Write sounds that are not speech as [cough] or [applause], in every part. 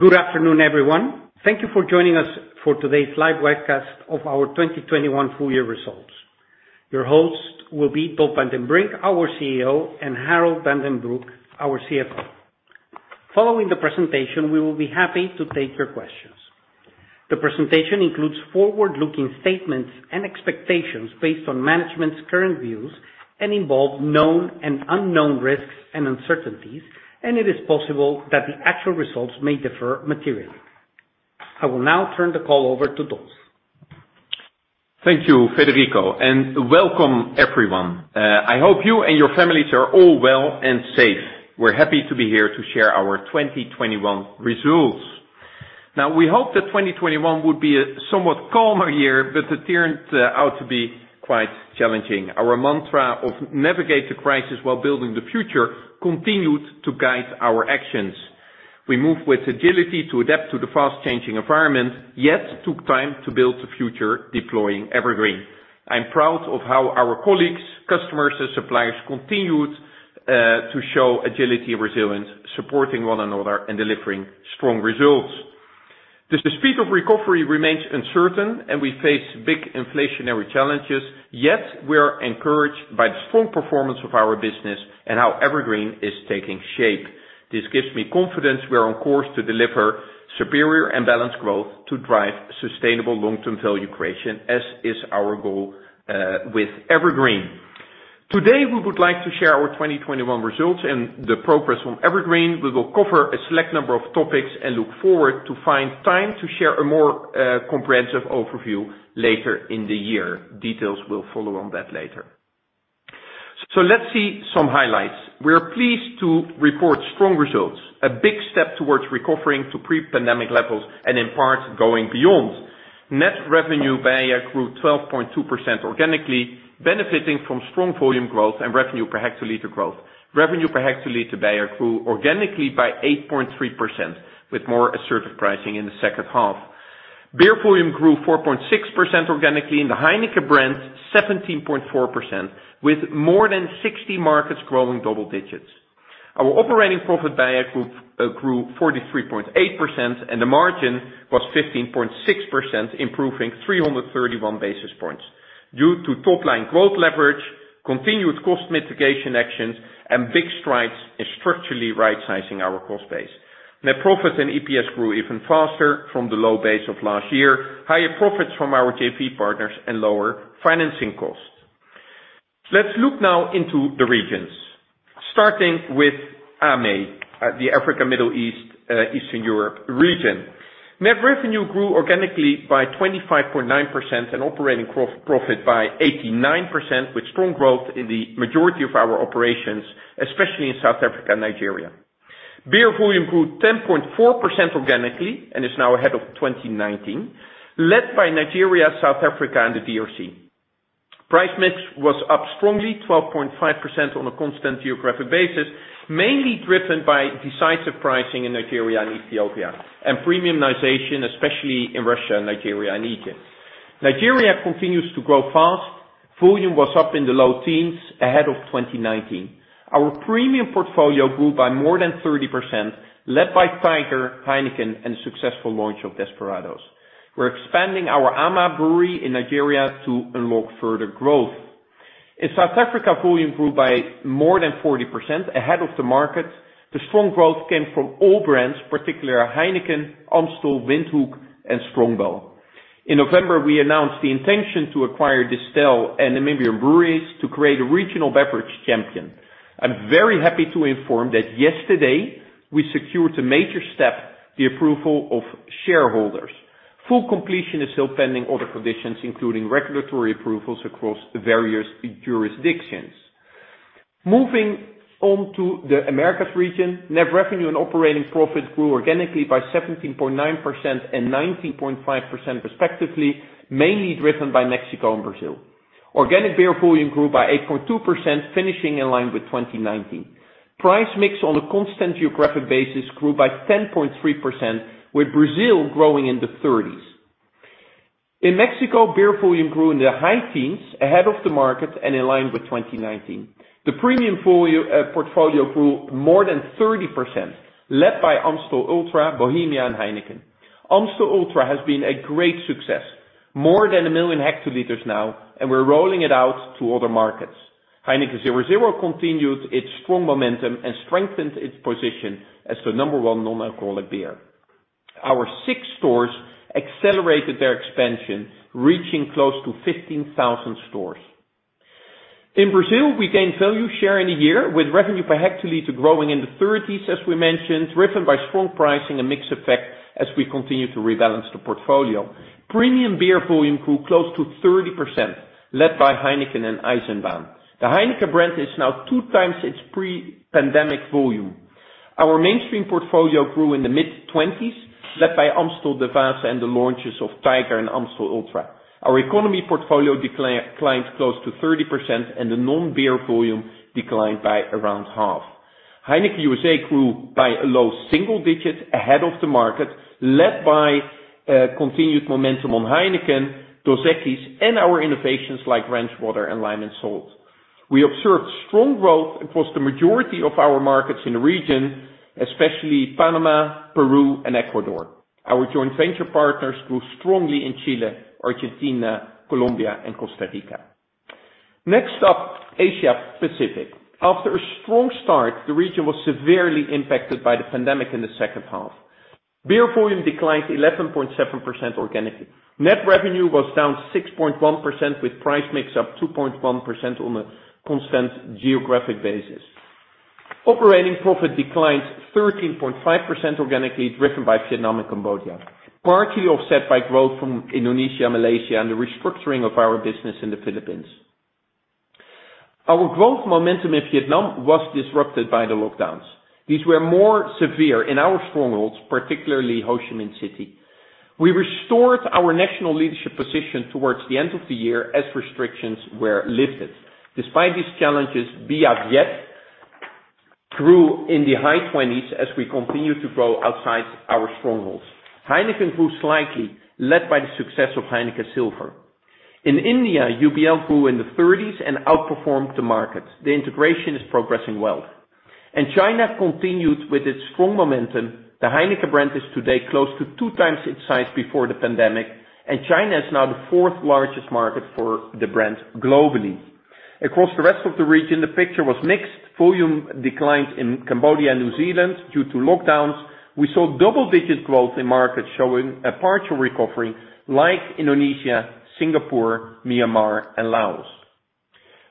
Good afternoon, everyone. Thank you for joining us for today's live broadcast of our 2021 full year results. Your host will be Dolf van den Brink, our CEO, and Harold van den Broek, our CFO. Following the presentation, we will be happy to take your questions. The presentation includes forward-looking statements and expectations based on management's current views and involve known and unknown risks and uncertainties, and it is possible that the actual results may differ materially. I will now turn the call over to Dolf. Thank you, Federico, and welcome everyone. I hope you and your families are all well and safe. We're happy to be here to share our 2021 results. Now, we hope that 2021 would be a somewhat calmer year, but it turned out to be quite challenging. Our mantra of navigate the crisis while building the future continued to guide our actions. We move with agility to adapt to the fast changing environment, yet took time to build the future deploying EverGreen. I'm proud of how our colleagues, customers, and suppliers continued to show agility and resilience, supporting one another and delivering strong results. The speed of recovery remains uncertain and we face big inflationary challenges, yet we are encouraged by the strong performance of our business and how EverGreen is taking shape. This gives me confidence we are on course to deliver superior and balanced growth to drive sustainable long-term value creation, as is our goal, with EverGreen. Today, we would like to share our 2021 results and the progress from EverGreen. We will cover a select number of topics and look forward to find time to share a more comprehensive overview later in the year. Details will follow on that later. Let's see some highlights. We are pleased to report strong results, a big step towards recovering to pre-pandemic levels and in part, going beyond. Net revenue beia grew 12.2% organically, benefiting from strong volume growth and revenue per hectoliter growth. Revenue per hectoliter beia grew organically by 8.3% with more assertive pricing in the second half. Beer volume grew 4.6% organically, and the Heineken brand 17.4% with more than 60 markets growing double digits. Our operating profit organic grew 43.8%, and the margin was 15.6%, improving 331 basis points due to top line growth leverage, continued cost mitigation actions, and big strides in structurally right sizing our cost base. Net profits and EPS grew even faster from the low base of last year. Higher profits from our JV partners and lower financing costs. Let's look now into the regions, starting with AME, the Africa, Middle East, Eastern Europe region. Net revenue grew organically by 25.9% and operating profit by 89%, with strong growth in the majority of our operations, especially in South Africa and Nigeria. Beer volume grew 10.4% organically and is now ahead of 2019, led by Nigeria, South Africa, and the DRC. Price mix was up strongly 12.5% on a constant geographic basis, mainly driven by decisive pricing in Nigeria and Ethiopia, and premiumization, especially in Russia, Nigeria, and Egypt. Nigeria continues to grow fast. Volume was up in the low teens ahead of 2019. Our premium portfolio grew by more than 30%, led by Tiger, Heineken, and successful launch of Desperados. We're expanding our Ama Brewery in Nigeria to unlock further growth. In South Africa, volume grew by more than 40% ahead of the market. The strong growth came from all brands, particularly Heineken, Amstel, Windhoek, and Strongbow. In November, we announced the intention to acquire Distell and Namibia Breweries to create a regional beverage champion. I'm very happy to inform that yesterday we secured a major step, the approval of shareholders. Full completion is still pending other conditions, including regulatory approvals across the various jurisdictions. Moving on to the Americas region. Net revenue and operating profit grew organically by 17.9% and 19.5% respectively, mainly driven by Mexico and Brazil. Organic beer volume grew by 8.2%, finishing in line with 2019. Price mix on a constant geographic basis grew by 10.3%, with Brazil growing in the thirties. In Mexico, beer volume grew in the high teens ahead of the market and in line with 2019. The premium portfolio grew more than 30% led by Amstel Ultra, Bohemia and Heineken. Amstel Ultra has been a great success. More than 1 million hectoliters now, and we're rolling it out to other markets. Heineken 0.0 continued its strong momentum and strengthened its position as the number one non-alcoholic beer. Our Six Stores accelerated their expansion, reaching close to 15,000 stores. In Brazil, we gained value share in a year with revenue per hectoliter growing in the 30s, as we mentioned, driven by strong pricing and mix effect as we continue to rebalance the portfolio. Premium beer volume grew close to 30% led by Heineken and Eisenbahn. The Heineken brand is now two times its pre-pandemic volume. Our mainstream portfolio grew in the mid-20s, led by Amstel, Devassa, and the launches of Tiger and Amstel Ultra. Our economy portfolio declined close to 30% and the non-beer volume declined by around half. Heineken USA grew by low single digits ahead of the market, led by continued momentum on Heineken, Dos Equis, and our innovations like Dos Equis Ranch Water and Dos Equis Lime & Salt. We observed strong growth across the majority of our markets in the region, especially Panama, Peru, and Ecuador. Our joint venture partners grew strongly in Chile, Argentina, Colombia, and Costa Rica. Next up, Asia Pacific. After a strong start, the region was severely impacted by the pandemic in the second half. Beer volume declined 11.7% organically. Net revenue was down 6.1% with price mix up 2.1% on a constant geographic basis. Operating profit declined 13.5% organically, driven by Vietnam and Cambodia, partly offset by growth from Indonesia, Malaysia, and the restructuring of our business in the Philippines. Our growth momentum in Vietnam was disrupted by the lockdowns. These were more severe in our strongholds, particularly Ho Chi Minh City. We restored our national leadership position towards the end of the year as restrictions were lifted. Despite these challenges, Bia Viet grew in the high 20s% as we continue to grow outside our strongholds. Heineken grew slightly, led by the success of Heineken Silver. In India, UBL grew in the 30s% and outperformed the market. The integration is progressing well. China continued with its strong momentum. The Heineken brand is today close to two times its size before the pandemic, and China is now the fourth largest market for the brand globally. Across the rest of the region, the picture was mixed. Volume declined in Cambodia and New Zealand due to lockdowns. We saw double-digit growth in markets showing a partial recovery like Indonesia, Singapore, Myanmar, and Laos.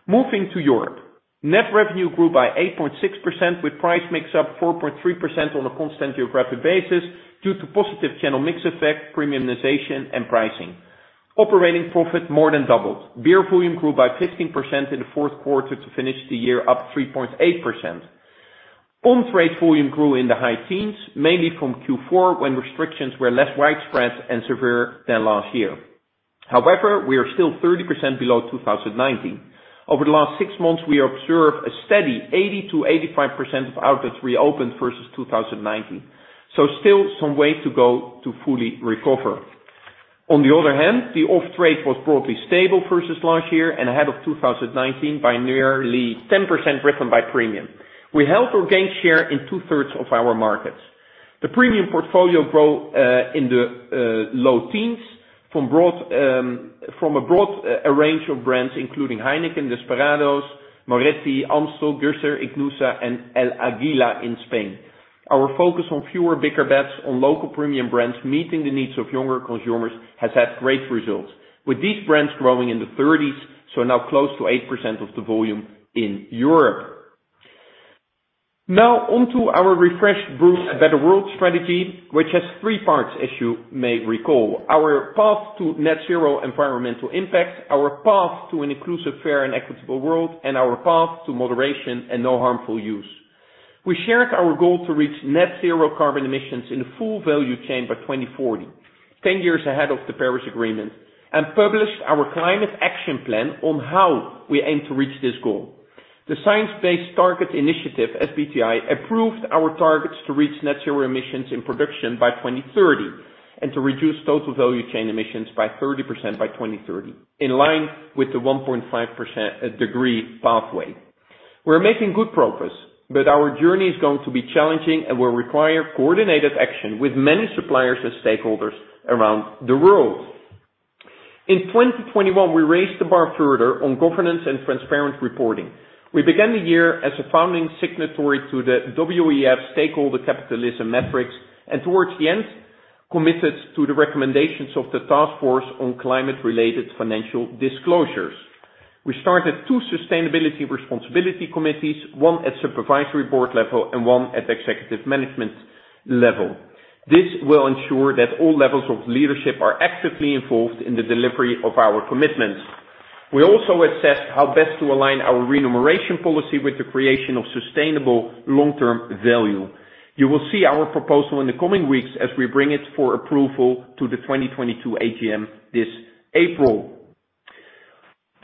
Moving to Europe. Net revenue grew by 8.6% with price mix up 4.3% on a constant geographic basis due to positive channel mix effect, premiumization, and pricing. Operating profit more than doubled. Beer volume grew by 15% in the Q4 to finish the year up 3.8%. On-trade volume grew in the high teens, mainly from Q4 when restrictions were less widespread and severe than last year. However, we are still 30% below 2019. Over the last six months, we observed a steady 80% to 85% of outlets reopened versus 2019. Still some way to go to fully recover. On the other hand, the off-trade was broadly stable versus last year and ahead of 2019 by nearly 10% driven by premium. We held or gained share in 2/3 of our markets. The premium portfolio grew in the low teens from a broad range of brands including Heineken, Desperados, Moretti, Amstel, Grätzer, Ichnusa, and El Águila in Spain. Our focus on fewer bigger bets on local premium brands meeting the needs of younger consumers has had great results. With these brands growing in the thirties, so now close to 8% of the volume in Europe. Now on to our refreshed Brew a Better World strategy, which has three parts as you may recall. Our path to net zero environmental impact, our path to an inclusive, fair, and equitable world, and our path to moderation and no harmful use. We shared our goal to reach net zero carbon emissions in the full value chain by 2040, ten years ahead of the Paris Agreement, and published our climate action plan on how we aim to reach this goal. The Science Based Targets initiative, SBTI, approved our targets to reach net zero emissions in production by 2030 and to reduce total value chain emissions by 30% by 2030, in line with the 1.5% at degree pathway. We're making good progress, but our journey is going to be challenging and will require coordinated action with many suppliers and stakeholders around the world. In 2021, we raised the bar further on governance and transparent reporting. We began the year as a founding signatory to the WEF Stakeholder Capitalism Metrics, and towards the end, committed to the recommendations of the Task Force on Climate-related Financial Disclosures. We started two sustainability and responsibility committees, one at supervisory board level and one at executive management level. This will ensure that all levels of leadership are actively involved in the delivery of our commitments. We also assessed how best to align our remuneration policy with the creation of sustainable long-term value. You will see our proposal in the coming weeks as we bring it for approval to the 2022 AGM this April.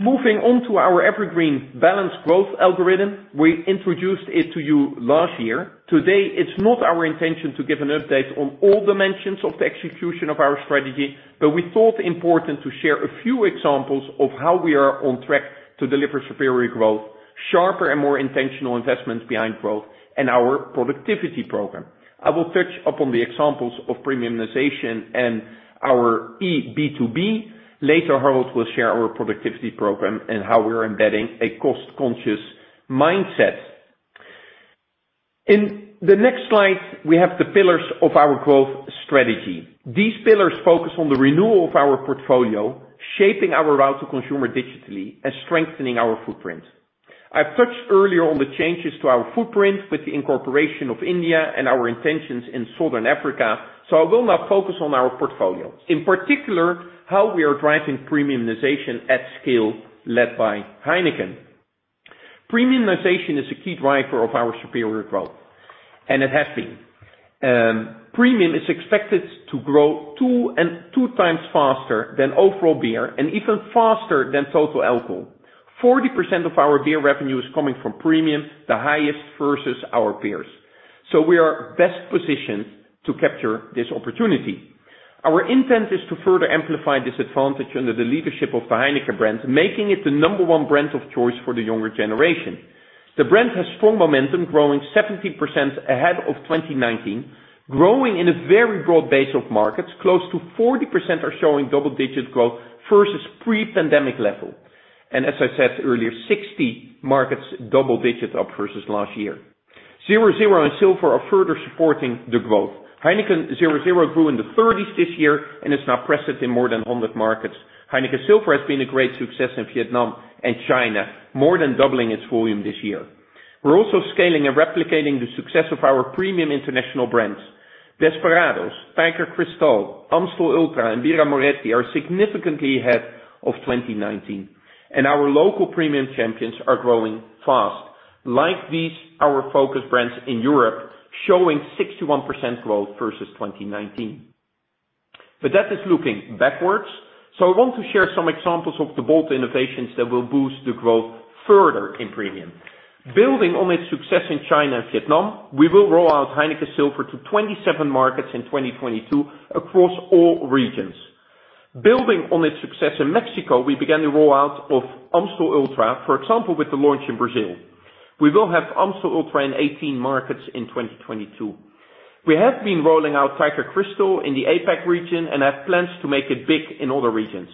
Moving on to our EverGreen Balanced Growth algorithm, we introduced it to you last year. Today, it's not our intention to give an update on all dimensions of the execution of our strategy, but we thought it important to share a few examples of how we are on track to deliver superior growth, sharper and more intentional investments behind growth, and our productivity program. I will touch upon the examples of premiumization and our eB2B. Later, Harold will share our productivity program and how we're embedding a cost-conscious mindset. In the next slide, we have the pillars of our growth strategy. These pillars focus on the renewal of our portfolio, shaping our route to consumer digitally, and strengthening our footprint. I've touched earlier on the changes to our footprint with the incorporation of India and our intentions in Southern Africa, so I will now focus on our portfolio. In particular, how we are driving premiumization at scale led by Heineken. Premiumization is a key driver of our superior growth, and it has been. Premium is expected to grow two and a half times faster than overall beer and even faster than total alcohol. 40% of our beer revenue is coming from premium, the highest versus our peers. We are best positioned to capture this opportunity. Our intent is to further amplify this advantage under the leadership of the Heineken brands, making it the number one brand of choice for the younger generation. The brand has strong momentum, growing 70% ahead of 2019, growing in a very broad base of markets. Close to 40% are showing double-digit growth versus pre-pandemic level. As I said earlier, 60 markets double digits up versus last year. 0.0 and Silver are further supporting the growth. Heineken 0.0 grew in the 30s this year and is now present in more than 100 markets. Heineken Silver has been a great success in Vietnam and China, more than doubling its volume this year. We're also scaling and replicating the success of our premium international brands. Desperados, Tiger Crystal, Amstel Ultra, and Birra Moretti are significantly ahead of 2019, and our local premium champions are growing fast. Like these, our focus brands in Europe showing 61% growth versus 2019. That is looking backwards, so I want to share some examples of the bold innovations that will boost the growth further in premium. Building on its success in China and Vietnam, we will roll out Heineken Silver to 27 markets in 2022 across all regions. Building on its success in Mexico, we began the rollout of Amstel Ultra, for example, with the launch in Brazil. We will have Amstel Ultra in 18 markets in 2022. We have been rolling out Tiger Crystal in the APAC region and have plans to make it big in other regions.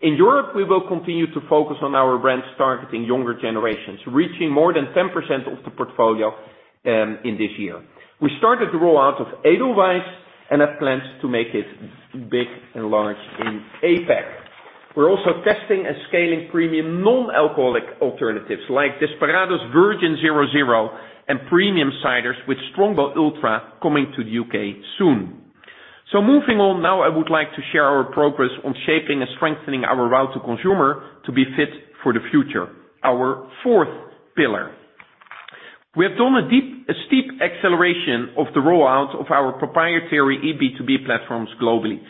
In Europe, we will continue to focus on our brands targeting younger generations, reaching more than 10% of the portfolio in this year. We started the rollout of Edelweiss and have plans to make it big and large in APAC. We're also testing and scaling premium non-alcoholic alternatives like Desperados Virgin 0.0 and premium ciders with Strongbow Ultra coming to the UK soon. Moving on now, I would like to share our progress on shaping and strengthening our route to consumer to be fit for the future, our fourth pillar. We have done a steep acceleration of the rollout of our proprietary B2B platforms globally.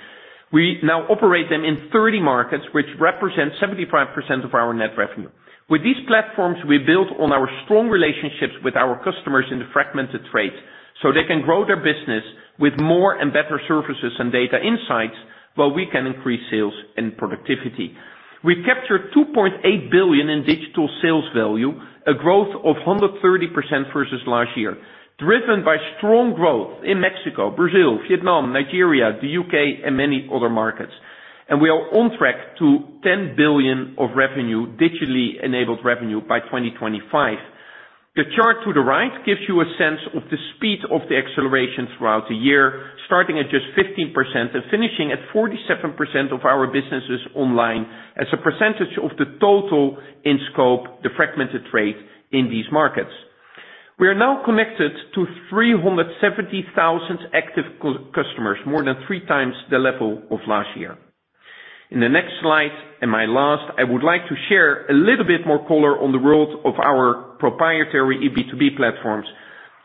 We now operate them in 30 markets, which represent 75% of our net revenue. With these platforms, we build on our strong relationships with our customers in the fragmented trades, so they can grow their business with more and better services and data insights, while we can increase sales and productivity. We captured 2.8 billion in digital sales value, a growth of 130% versus last year, driven by strong growth in Mexico, Brazil, Vietnam, Nigeria, the UK, and many other markets. We are on track to 10 billion of revenue, digitally enabled revenue by 2025. The chart to the right gives you a sense of the speed of the acceleration throughout the year, starting at just 15% and finishing at 47% of our businesses online as a percentage of the total in scope, the fragmented trade in these markets. We are now connected to 370,000 active customers, more than three times the level of last year. In the next slide, and my last, I would like to share a little bit more color on the world of our proprietary B2B platforms.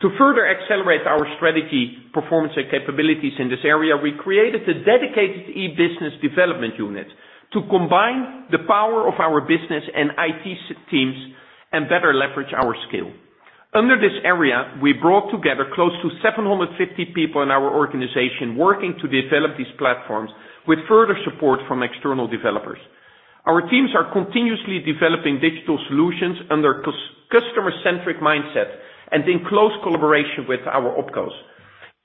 To further accelerate our strategy, performance, and capabilities in this area, we created a dedicated e-business development unit to combine the power of our business and IT teams and better leverage our skill. Under this area, we brought together close to 750 people in our organization working to develop these platforms with further support from external developers. Our teams are continuously developing digital solutions under customer-centric mindset and in close collaboration with our opcos.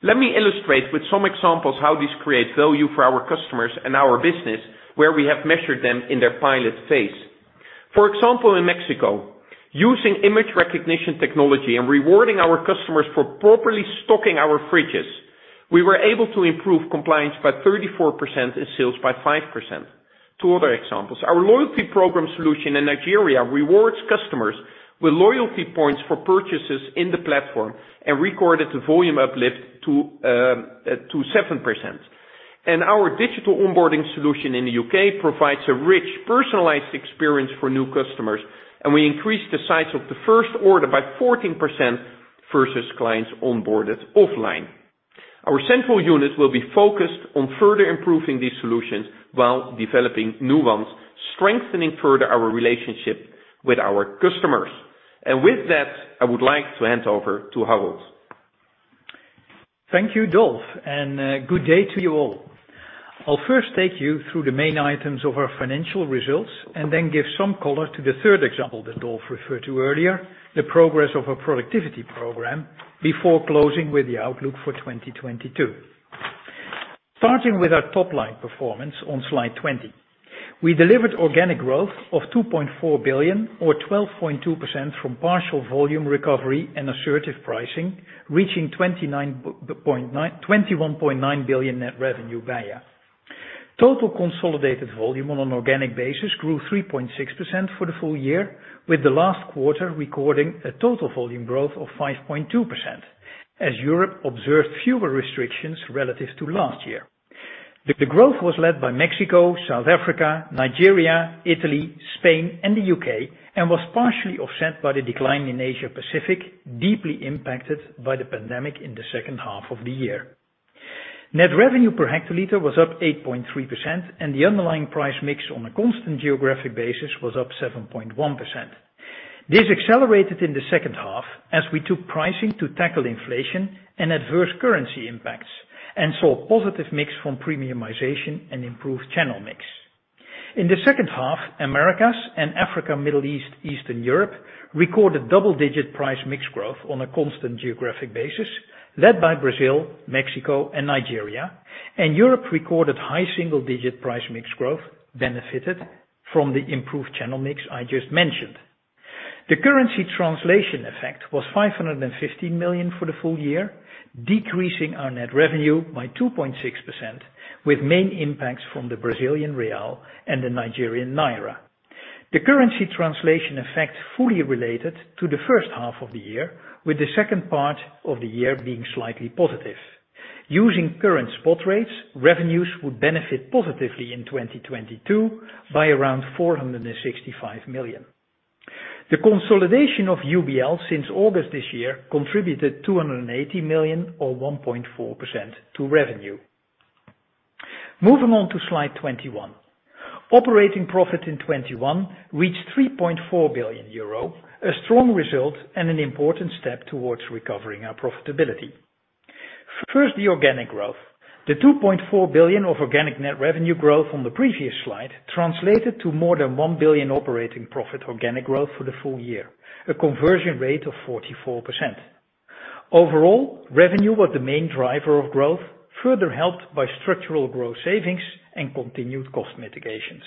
Let me illustrate with some examples how this creates value for our customers and our business, where we have measured them in their pilot phase. For example, in Mexico, using image recognition technology and rewarding our customers for properly stocking our fridges, we were able to improve compliance by 34% and sales by 5%. Two other examples. Our loyalty program solution in Nigeria rewards customers with loyalty points for purchases in the platform and recorded the volume uplift to seven percent. Our digital onboarding solution in the UK provides a rich, personalized experience for new customers, and we increased the size of the first order by 14% versus clients onboarded offline. Our central unit will be focused on further improving these solutions while developing new ones, strengthening further our relationship with our customers. With that, I would like to hand over to Harold. Thank you, Dolf, and good day to you all. I'll first take you through the main items of our financial results and then give some color to the third example that Dolf referred to earlier, the progress of our productivity program, before closing with the outlook for 2022. Starting with our top-line performance on slide 20. We delivered organic growth of 2.4 billion or 12.2% from partial volume recovery and assertive pricing, reaching 21.9 billion net revenue by year. Total consolidated volume on an organic basis grew 3.6% for the full year, with the last quarter recording a total volume growth of 5.2%, as Europe observed fewer restrictions relative to last year. The growth was led by Mexico, South Africa, Nigeria, Italy, Spain, and the UK, and was partially offset by the decline in Asia-Pacific, deeply impacted by the pandemic in the second half of the year. Net revenue per hectoliter was up 8.3%, and the underlying price mix on a constant geographic basis was up 7.1%. This accelerated in the second half as we took pricing to tackle inflation and adverse currency impacts and saw positive mix from premiumization and improved channel mix. In the second half, Americas and Africa, Middle East, Eastern Europe recorded double-digit price mix growth on a constant geographic basis, led by Brazil, Mexico and Nigeria. Europe recorded high single-digit price mix growth benefited from the improved channel mix I just mentioned. The currency translation effect was 550 million for the full year, decreasing our net revenue by 2.6% with main impacts from the Brazilian real and the Nigerian naira. The currency translation effect fully related to the first half of the year, with the second part of the year being slightly positive. Using current spot rates, revenues would benefit positively in 2022 by around 465 million. The consolidation of UBL since August this year contributed 280 million or 1.4% to revenue. Moving on to slide 21. Operating profit in 2021 reached 3.4 billion euro, a strong result and an important step towards recovering our profitability. First, the organic growth. The 2.4 billion of organic net revenue growth from the previous slide translated to more than 1 billion operating profit organic growth for the full year, a conversion rate of 44%. Overall, revenue was the main driver of growth, further helped by structural growth savings and continued cost mitigations.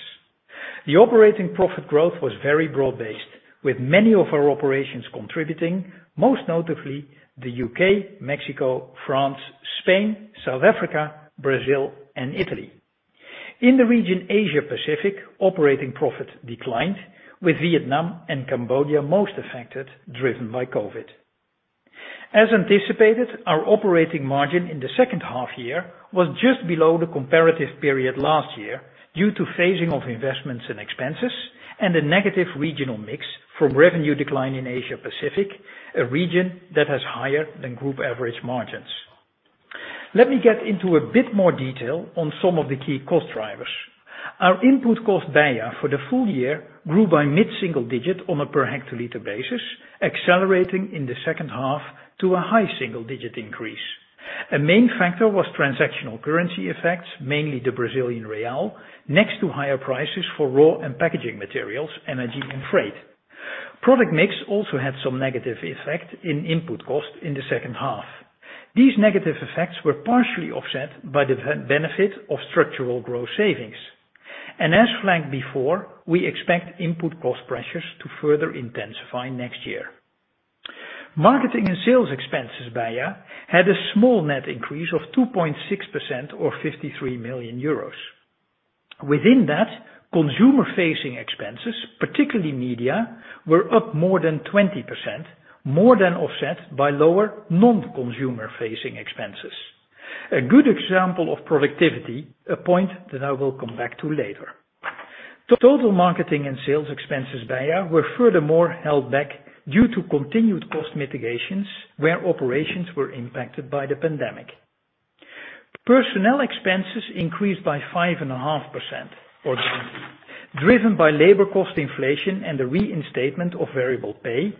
The operating profit growth was very broad-based, with many of our operations contributing, most notably the UK, Mexico, France, Spain, South Africa, Brazil and Italy. In the region Asia-Pacific, operating profit declined, with Vietnam and Cambodia most affected, driven by COVID. As anticipated, our operating margin in the second half year was just below the comparative period last year due to phasing of investments and expenses and a negative regional mix from revenue decline in Asia-Pacific, a region that has higher than group average margins. Let me get into a bit more detail on some of the key cost drivers. Our input cost beia for the full year grew by mid-single-digit on a per hectoliter basis, accelerating in the second half to a high single-digit increase. A main factor was transactional currency effects, mainly the Brazilian real, next to higher prices for raw and packaging materials, energy and freight. Product mix also had some negative effect in input cost in the second half. These negative effects were partially offset by the benefit of structural growth savings. As flagged before, we expect input cost pressures to further intensify next year. Marketing and sales expenses beia had a small net increase of 2.6% or 53 million euros. Within that, consumer facing expenses, particularly media, were up more than 20%, more than offset by lower non-consumer facing expenses. A good example of productivity, a point that I will come back to later. Total marketing and sales expenses beia were furthermore held back due to continued cost mitigations where operations were impacted by the pandemic. Personnel expenses increased by 5.5%, driven by labor cost inflation and the reinstatement of variable pay,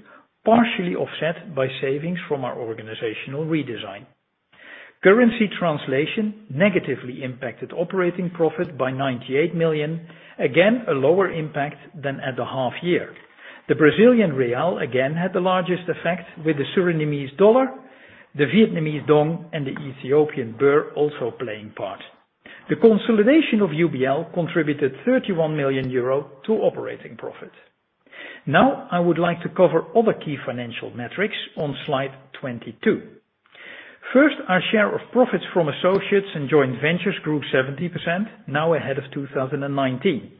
partially offset by savings from our organizational redesign. Currency translation negatively impacted operating profit by 98 million. Again, a lower impact than at the half year. The Brazilian real again had the largest effect with the Surinamese dollar, the Vietnamese dong, and the Ethiopian birr also playing part. The consolidation of UBL contributed 31 million euro to operating profit. Now, I would like to cover other key financial metrics on slide 22. First, our share of profits from associates and joint ventures grew 70%, now ahead of 2019.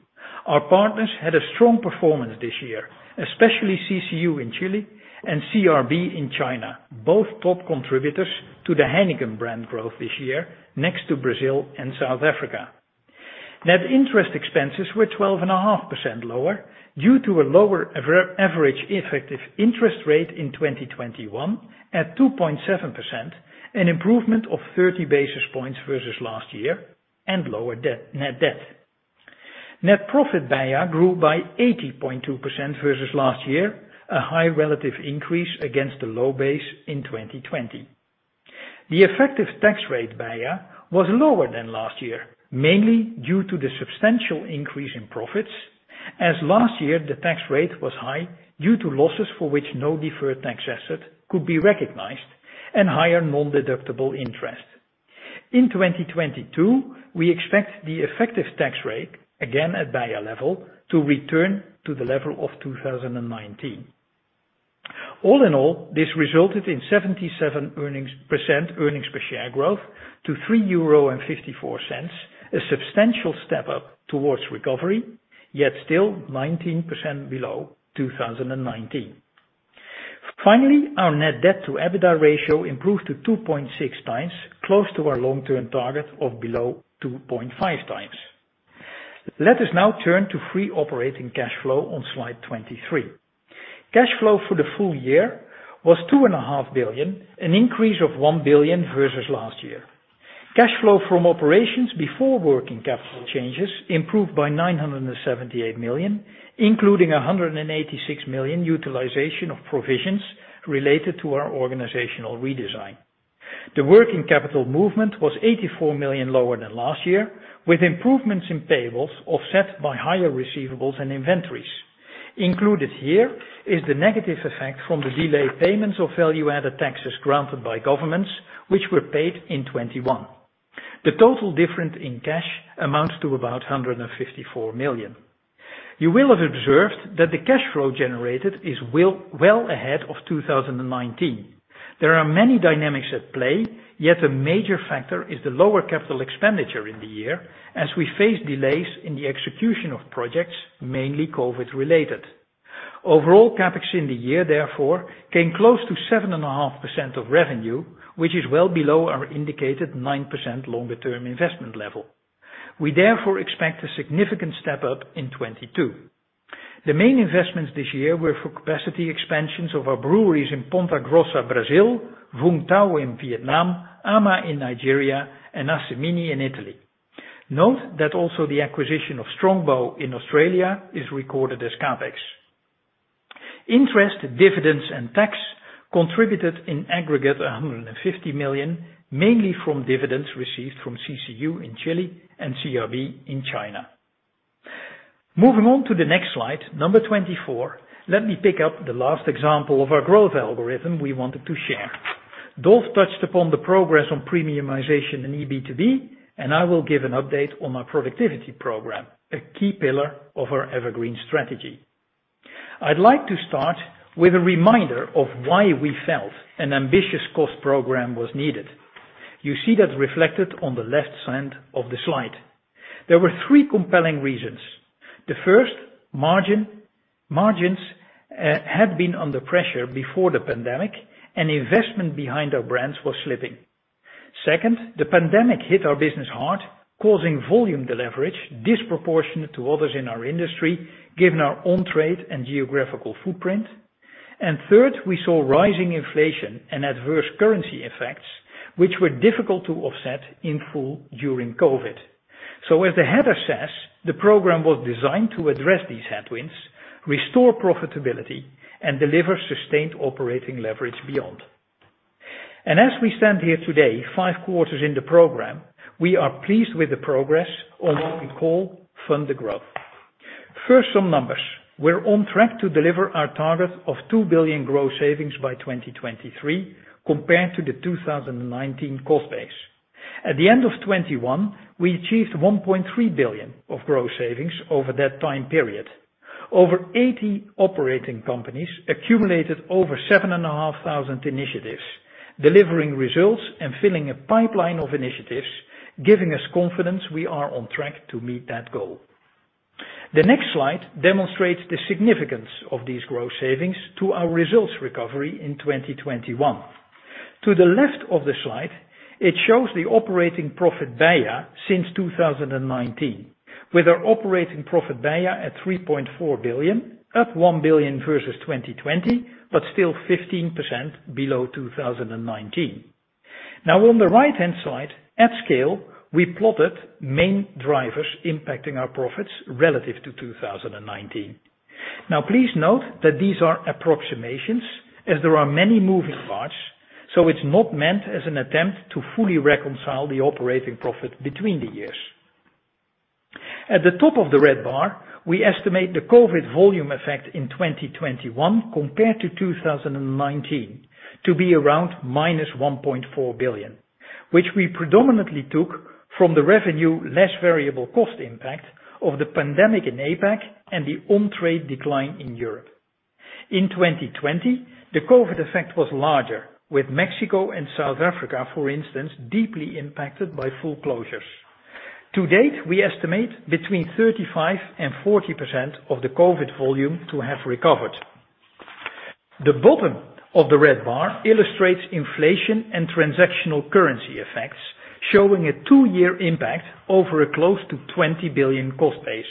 Our partners had a strong performance this year, especially CCU in Chile and CRB in China, both top contributors to the Heineken brand growth this year next to Brazil and South Africa. Net interest expenses were 12.5% lower due to a lower average effective interest rate in 2021 at 2.7%, an improvement of 30 basis points versus last year and lower net debt. Net profit beia grew by 80.2% versus last year, a high relative increase against the low base in 2020. The effective tax rate beia was lower than last year, mainly due to the substantial increase in profits. As last year, the tax rate was high due to losses for which no deferred tax asset could be recognized and higher non-deductible interest. In 2022, we expect the effective tax rate, again at beia level, to return to the level of 2019. All in all, this resulted in 77% earnings per share growth to 3.54 euro, a substantial step up towards recovery, yet still 19% below 2019. Our net debt to EBITDA ratio improved to 2.6x, close to our long-term target of below 2.5x. Let us now turn to free operating cash flow on slide 23. Cash flow for the full year was 2.5 billion, an increase of 1 billion versus last year. Cash flow from operations before working capital changes improved by 978 million, including a 186 million utilization of provisions related to our organizational redesign. The working capital movement was 84 million lower than last year, with improvements in payables offset by higher receivables and inventories. Included here is the negative effect from the delayed payments of value-added taxes granted by governments which were paid in 2021. The total difference in cash amounts to about 154 million. You will have observed that the cash flow generated is well ahead of 2019. There are many dynamics at play, yet a major factor is the lower capital expenditure in the year as we face delays in the execution of projects, mainly COVID related. Overall CapEx in the year therefore came close to 7.5% of revenue, which is well below our indicated 9% longer term investment level. We therefore expect a significant step up in 2022. The main investments this year were for capacity expansions of our breweries in Ponta Grossa, Brazil, Vung Tau in Vietnam, Ama in Nigeria, and Assemini in Italy. Note that also the acquisition of Strongbow in Australia is recorded as CapEx. Interest, dividends, and tax contributed in aggregate 150 million, mainly from dividends received from CCU in Chile and CRB in China. Moving on to the next slide, number 24. Let me pick up the last example of our growth algorithm we wanted to share. Dolf touched upon the progress on premiumization in EB2B, and I will give an update on our productivity program, a key pillar of our EverGreen strategy. I'd like to start with a reminder of why we felt an ambitious cost program was needed. You see that reflected on the left side of the slide. There were three compelling reasons. The first, margins had been under pressure before the pandemic and investment behind our brands was slipping. Second, the pandemic hit our business hard, causing volume deleverage disproportionate to others in our industry, given our on-trade and geographical footprint. Third, we saw rising inflation and adverse currency effects, which were difficult to offset in full during COVID. As the header says, the program was designed to address these headwinds, restore profitability, and deliver sustained operating leverage beyond. As we stand here today, five quarters in the program, we are pleased with the progress on what we call Fund the Growth. First, some numbers. We're on track to deliver our target of 2 billion growth savings by 2023 compared to the 2019 cost base. At the end of 2021, we achieved 1.3 billion of growth savings over that time period. Over 80 operating companies accumulated over 7,500 initiatives, delivering results and filling a pipeline of initiatives, giving us confidence we are on track to meet that goal. The next slide demonstrates the significance of these growth savings to our results recovery in 2021. To the left of the slide, it shows the operating profit beia since 2019, with our operating profit beia at 3.4 billion, up 1 billion versus 2020, but still 15% below 2019. Now on the right-hand side, at scale, we plotted main drivers impacting our profits relative to 2019. Now please note that these are approximations as there are many moving parts, so it's not meant as an attempt to fully reconcile the operating profit between the years. At the top of the red bar, we estimate the COVID volume effect in 2021 compared to 2019 to be around -1.4 billion, which we predominantly took from the revenue less variable cost impact of the pandemic in APAC and the on-trade decline in Europe. In 2020, the COVID effect was larger with Mexico and South Africa, for instance, deeply impacted by full closures. To date, we estimate between 35% to 40% of the COVID volume to have recovered. The bottom of the red bar illustrates inflation and transactional currency effects, showing a two-year impact over a close to 20 billion cost base.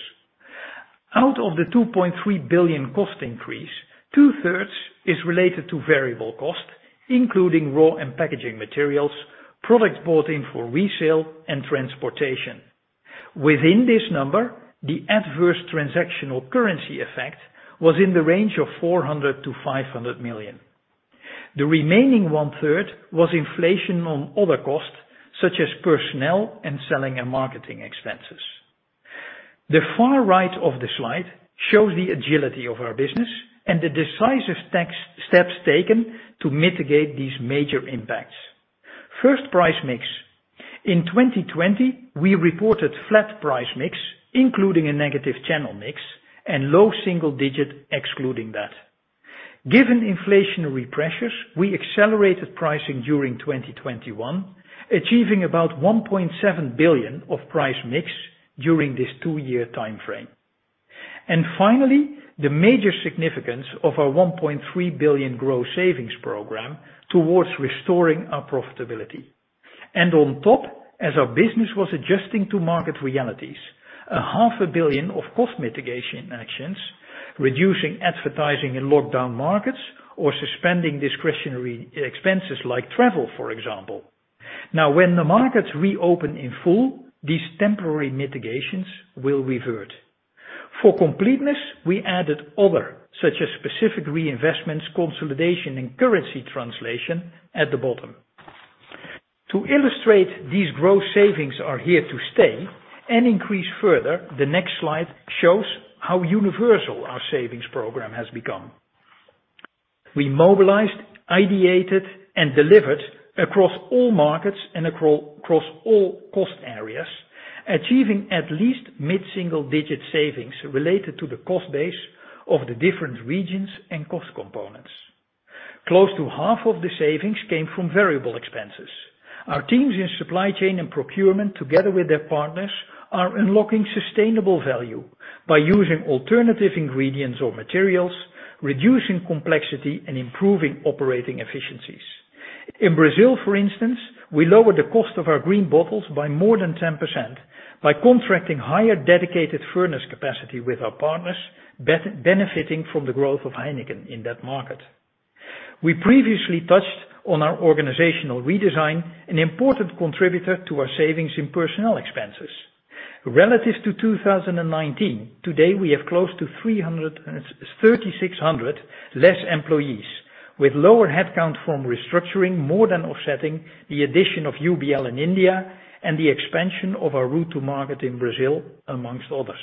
Out of the 2.3 billion cost increase, two-thirds is related to variable cost, including raw and packaging materials, products bought in for resale, and transportation. Within this number, the adverse transactional currency effect was in the range of 400 million to 500 million. The remaining one-third was inflation on other costs such as personnel and selling and marketing expenses. The far right of the slide shows the agility of our business and the decisive tax steps taken to mitigate these major impacts. First, price mix. In 2020, we reported flat price mix, including a negative channel mix and low single digit excluding that. Given inflationary pressures, we accelerated pricing during 2021, achieving about 1.7 billion of price mix during this two-year timeframe. Finally, the major significance of our 1.3 billion growth savings program towards restoring our profitability. On top, as our business was adjusting to market realities, half a billion of cost mitigation actions, reducing advertising in lockdown markets or suspending discretionary expenses like travel, for example. Now when the markets reopen in full, these temporary mitigations will revert. For completeness, we added other, such as specific reinvestments, consolidation and currency translation at the bottom. To illustrate these growth savings are here to stay and increase further, the next slide shows how universal our savings program has become. We mobilized, ideated, and delivered across all markets and across all cost areas, achieving at least mid-single-digit savings related to the cost base of the different regions and cost components. Close to half of the savings came from variable expenses. Our teams in supply chain and procurement, together with their partners, are unlocking sustainable value by using alternative ingredients or materials, reducing complexity and improving operating efficiencies. In Brazil, for instance, we lowered the cost of our green bottles by more than 10% by contracting higher dedicated furnace capacity with our partners, benefiting from the growth of Heineken in that market. We previously touched on our organizational redesign, an important contributor to our savings in personnel expenses. Relative to 2019, today we have close to 3,360 less employees with lower headcount from restructuring, more than offsetting the addition of UBL in India and the expansion of our route to market in Brazil, among others.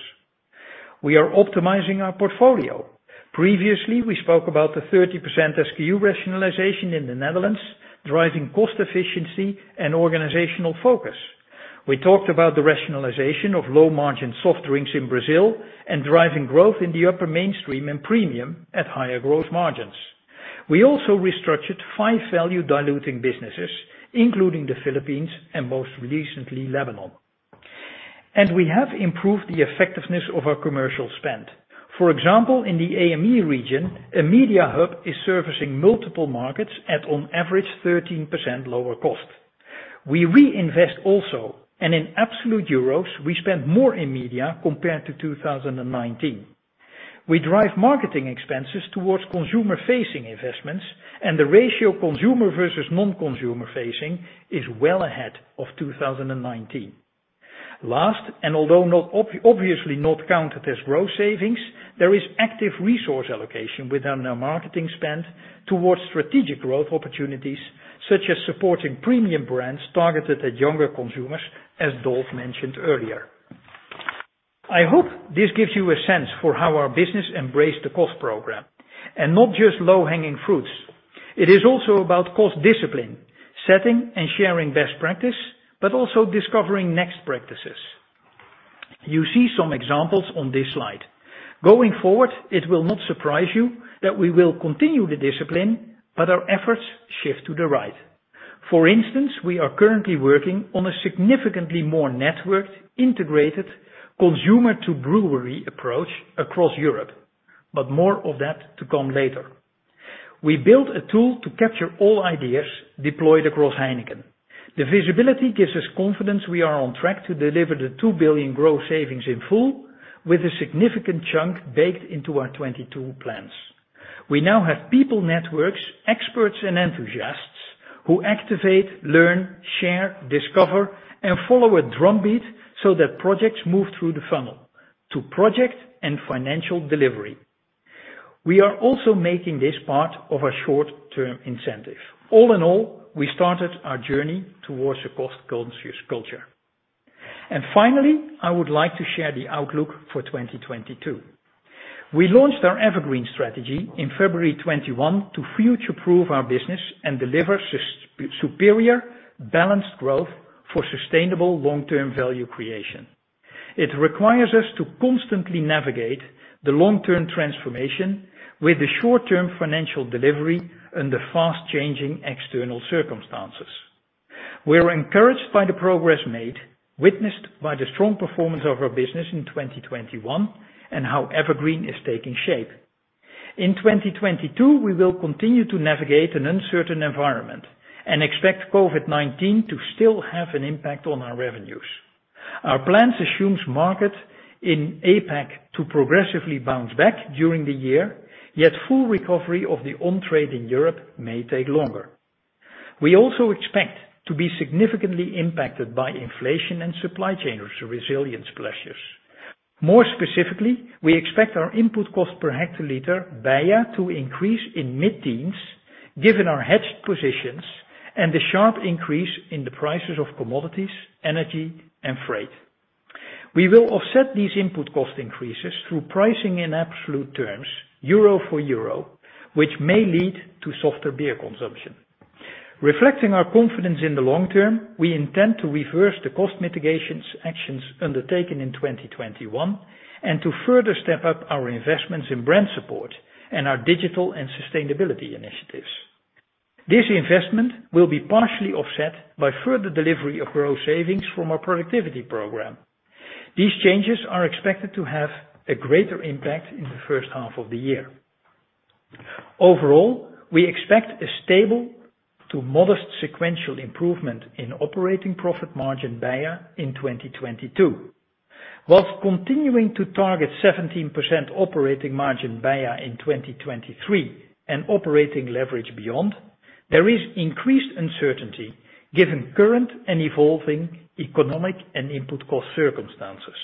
We are optimizing our portfolio. Previously, we spoke about the 30% SKU rationalization in the Netherlands, driving cost efficiency and organizational focus. We talked about the rationalization of low-margin soft drinks in Brazil and driving growth in the upper mainstream and premium at higher growth margins. We also restructured five value-diluting businesses, including the Philippines and most recently, Lebanon. We have improved the effectiveness of our commercial spend. For example, in the AME region, a media hub is servicing multiple markets at an average 13% lower cost. We reinvest also, and in absolute euros, we spend more in media compared to 2019. We drive marketing expenses towards consumer-facing investments, and the ratio consumer versus non-consumer facing is well ahead of 2019. Last, although not obviously not counted as growth savings, there is active resource allocation within our marketing spend towards strategic growth opportunities, such as supporting premium brands targeted at younger consumers, as Dolf mentioned earlier. I hope this gives you a sense for how our business embraced the cost program, and not just low-hanging fruits. It is also about cost discipline, setting and sharing best practice, but also discovering next practices. You see some examples on this slide. Going forward, it will not surprise you that we will continue the discipline, but our efforts shift to the right. For instance, we are currently working on a significantly more networked, integrated consumer-to-brewery approach across Europe, but more of that to come later. We built a tool to capture all ideas deployed across Heineken. The visibility gives us confidence we are on track to deliver the 2 billion growth savings in full with a significant chunk baked into our 2022 plans. We now have people networks, experts and enthusiasts who activate, learn, share, discover and follow a drumbeat so that projects move through the funnel to project and financial delivery. We are also making this part of our short-term incentive. All in all, we started our journey towards a cost-conscious culture. Finally, I would like to share the outlook for 2022. We launched our EverGreen strategy in February 2021 to future-proof our business and deliver superior, balanced growth for sustainable long-term value creation. It requires us to constantly navigate the long-term transformation with the short-term financial delivery and the fast-changing external circumstances. We're encouraged by the progress made, witnessed by the strong performance of our business in 2021, and how EverGreen is taking shape. In 2022, we will continue to navigate an uncertain environment and expect COVID-19 to still have an impact on our revenues. Our plans assumes market in APAC to progressively bounce back during the year, yet full recovery of the on-trade in Europe may take longer. We also expect to be significantly impacted by inflation and supply chain resilience pressures. More specifically, we expect our input cost per hectoliter, beia, to increase in mid-teens given our hedged positions and the sharp increase in the prices of commodities, energy and freight. We will offset these input cost increases through pricing in absolute terms, euro for euro, which may lead to softer beer consumption. Reflecting our confidence in the long term, we intend to reverse the cost mitigation actions undertaken in 2021, and to further step up our investments in brand support and our digital and sustainability initiatives. This investment will be partially offset by further delivery of growth savings from our productivity program. These changes are expected to have a greater impact in the first half of the year. Overall, we expect a stable to modest sequential improvement in operating profit margin, beia, in 2022. While continuing to target 17% operating margin, BEIA, in 2023 and operating leverage beyond, there is increased uncertainty given current and evolving economic and input cost circumstances.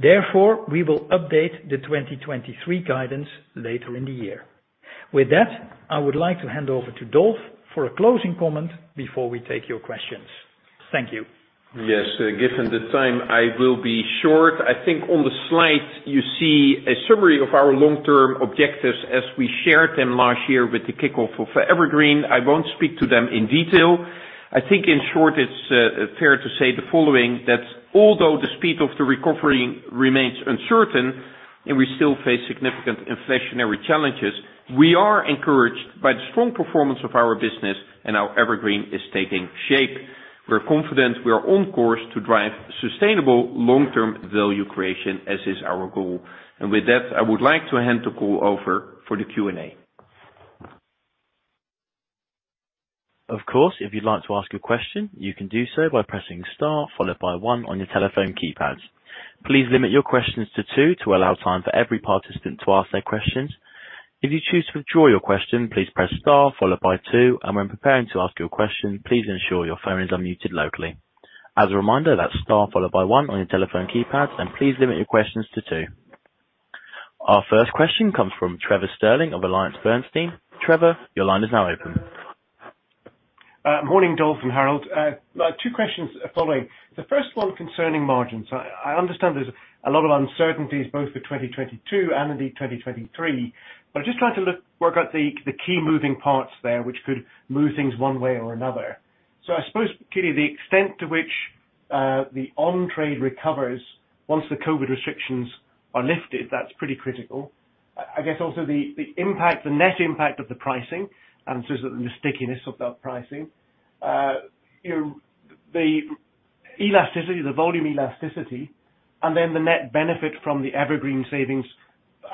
Therefore, we will update the 2023 guidance later in the year. With that, I would like to hand over to Dolf for a closing comment before we take your questions. Thank you. Yes. Given the time, I will be short. I think on the slide you see a summary of our long-term objectives as we shared them last year with the kickoff of Evergreen. I won't speak to them in detail. I think in short, it's fair to say the following, that although the speed of the recovery remains uncertain and we still face significant inflationary challenges, we are encouraged by the strong performance of our business and how Evergreen is taking shape. We're confident we are on course to drive sustainable long-term value creation, as is our goal. With that, I would like to hand the call over for the Q&A. Of course, if you'd like to ask a question, you can do so by pressing star followed by one on your telephone keypads. Please limit your questions to two to allow time for every participant to ask their questions. If you choose to withdraw your question, please press star followed by two, and when preparing to ask your question, please ensure your phone is unmuted locally. As a reminder, that's star followed by one on your telephone keypad, and please limit your questions to two. Our first question comes from Trevor Stirling of Bernstein. Trevor, your line is now open. Morning, Dolf and Harold. Two questions following. The first one concerning margins. I understand there's a lot of uncertainties both for 2022 and indeed 2023, but I'm just trying to work out the key moving parts there which could move things one way or another. I suppose, clearly the extent to which the on-trade recovers once the COVID restrictions are lifted, that's pretty critical. I guess also the impact, the net impact of the pricing, and so the stickiness of that pricing. You know, the elasticity, the volume elasticity, and then the net benefit from the EverGreen savings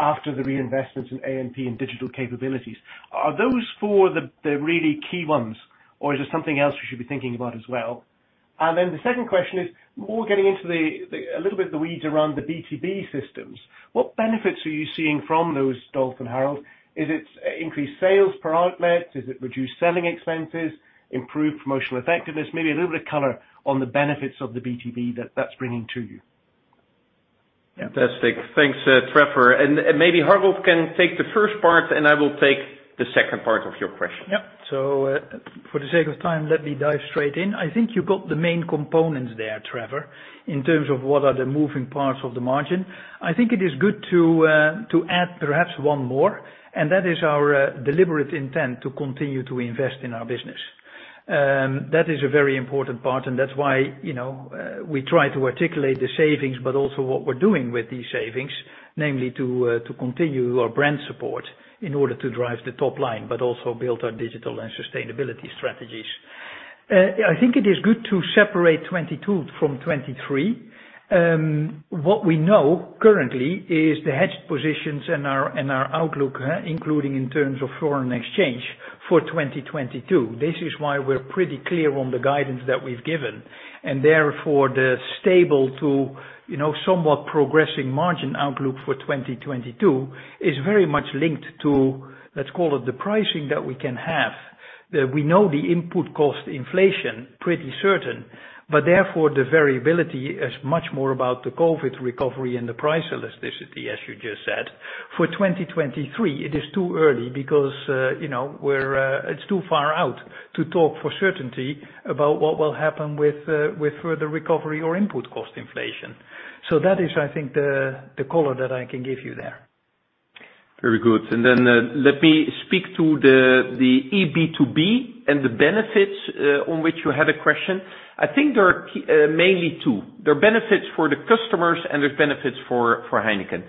after the reinvestments in A&P and digital capabilities. Are those four the really key ones, or is there something else we should be thinking about as well? The second question is more getting into the a little bit of the weeds around the B2B systems. What benefits are you seeing from those, Dolf and Harold? Is it increased sales per outlet? Is it reduced selling expenses, improved promotional effectiveness? Maybe a little bit of color on the benefits of the B2B that's bringing to you. Fantastic. Thanks, Trevor. Maybe Harold can take the first part, and I will take the second part of your question. For the sake of time, let me dive straight in. I think you got the main components there, Trevor, in terms of what are the moving parts of the margin. I think it is good to add perhaps one more, and that is our deliberate intent to continue to invest in our business. That is a very important part, and that's why we try to articulate the savings, but also what we're doing with these savings, namely to continue our brand support in order to drive the top line, but also build our digital and sustainability strategies. I think it is good to separate 2022 from 2023. What we know currently is the hedged positions and our outlook, including in terms of foreign exchange for 2022. This is why we're pretty clear on the guidance that we've given. Therefore, the stable to, you know, somewhat progressing margin outlook for 2022 is very much linked to, let's call it the pricing that we can have. That we know the input cost inflation pretty certain, but therefore, the variability is much more about the COVID recovery and the price elasticity, as you just said. For 2023, it is too early because, you know, it's too far out to talk for certainty about what will happen with further recovery or input cost inflation. That is, I think, the color that I can give you there. Very good. Let me speak to the EB2B and the benefits on which you had a question. I think there are mainly two. There are benefits for the customers, and there's benefits for Heineken.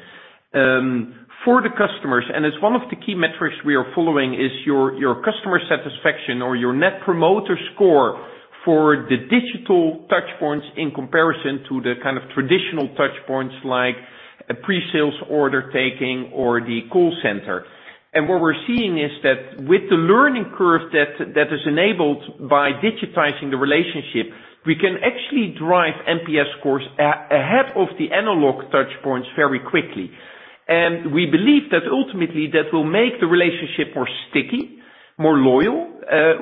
For the customers, and it's one of the key metrics we are following, is your customer satisfaction or your net promoter score for the digital touchpoints in comparison to the kind of traditional touchpoints like a pre-sales order taking or the call center. What we're seeing is that with the learning curve that is enabled by digitizing the relationship, we can actually drive NPS scores ahead of the analog touchpoints very quickly. We believe that ultimately that will make the relationship more sticky, more loyal,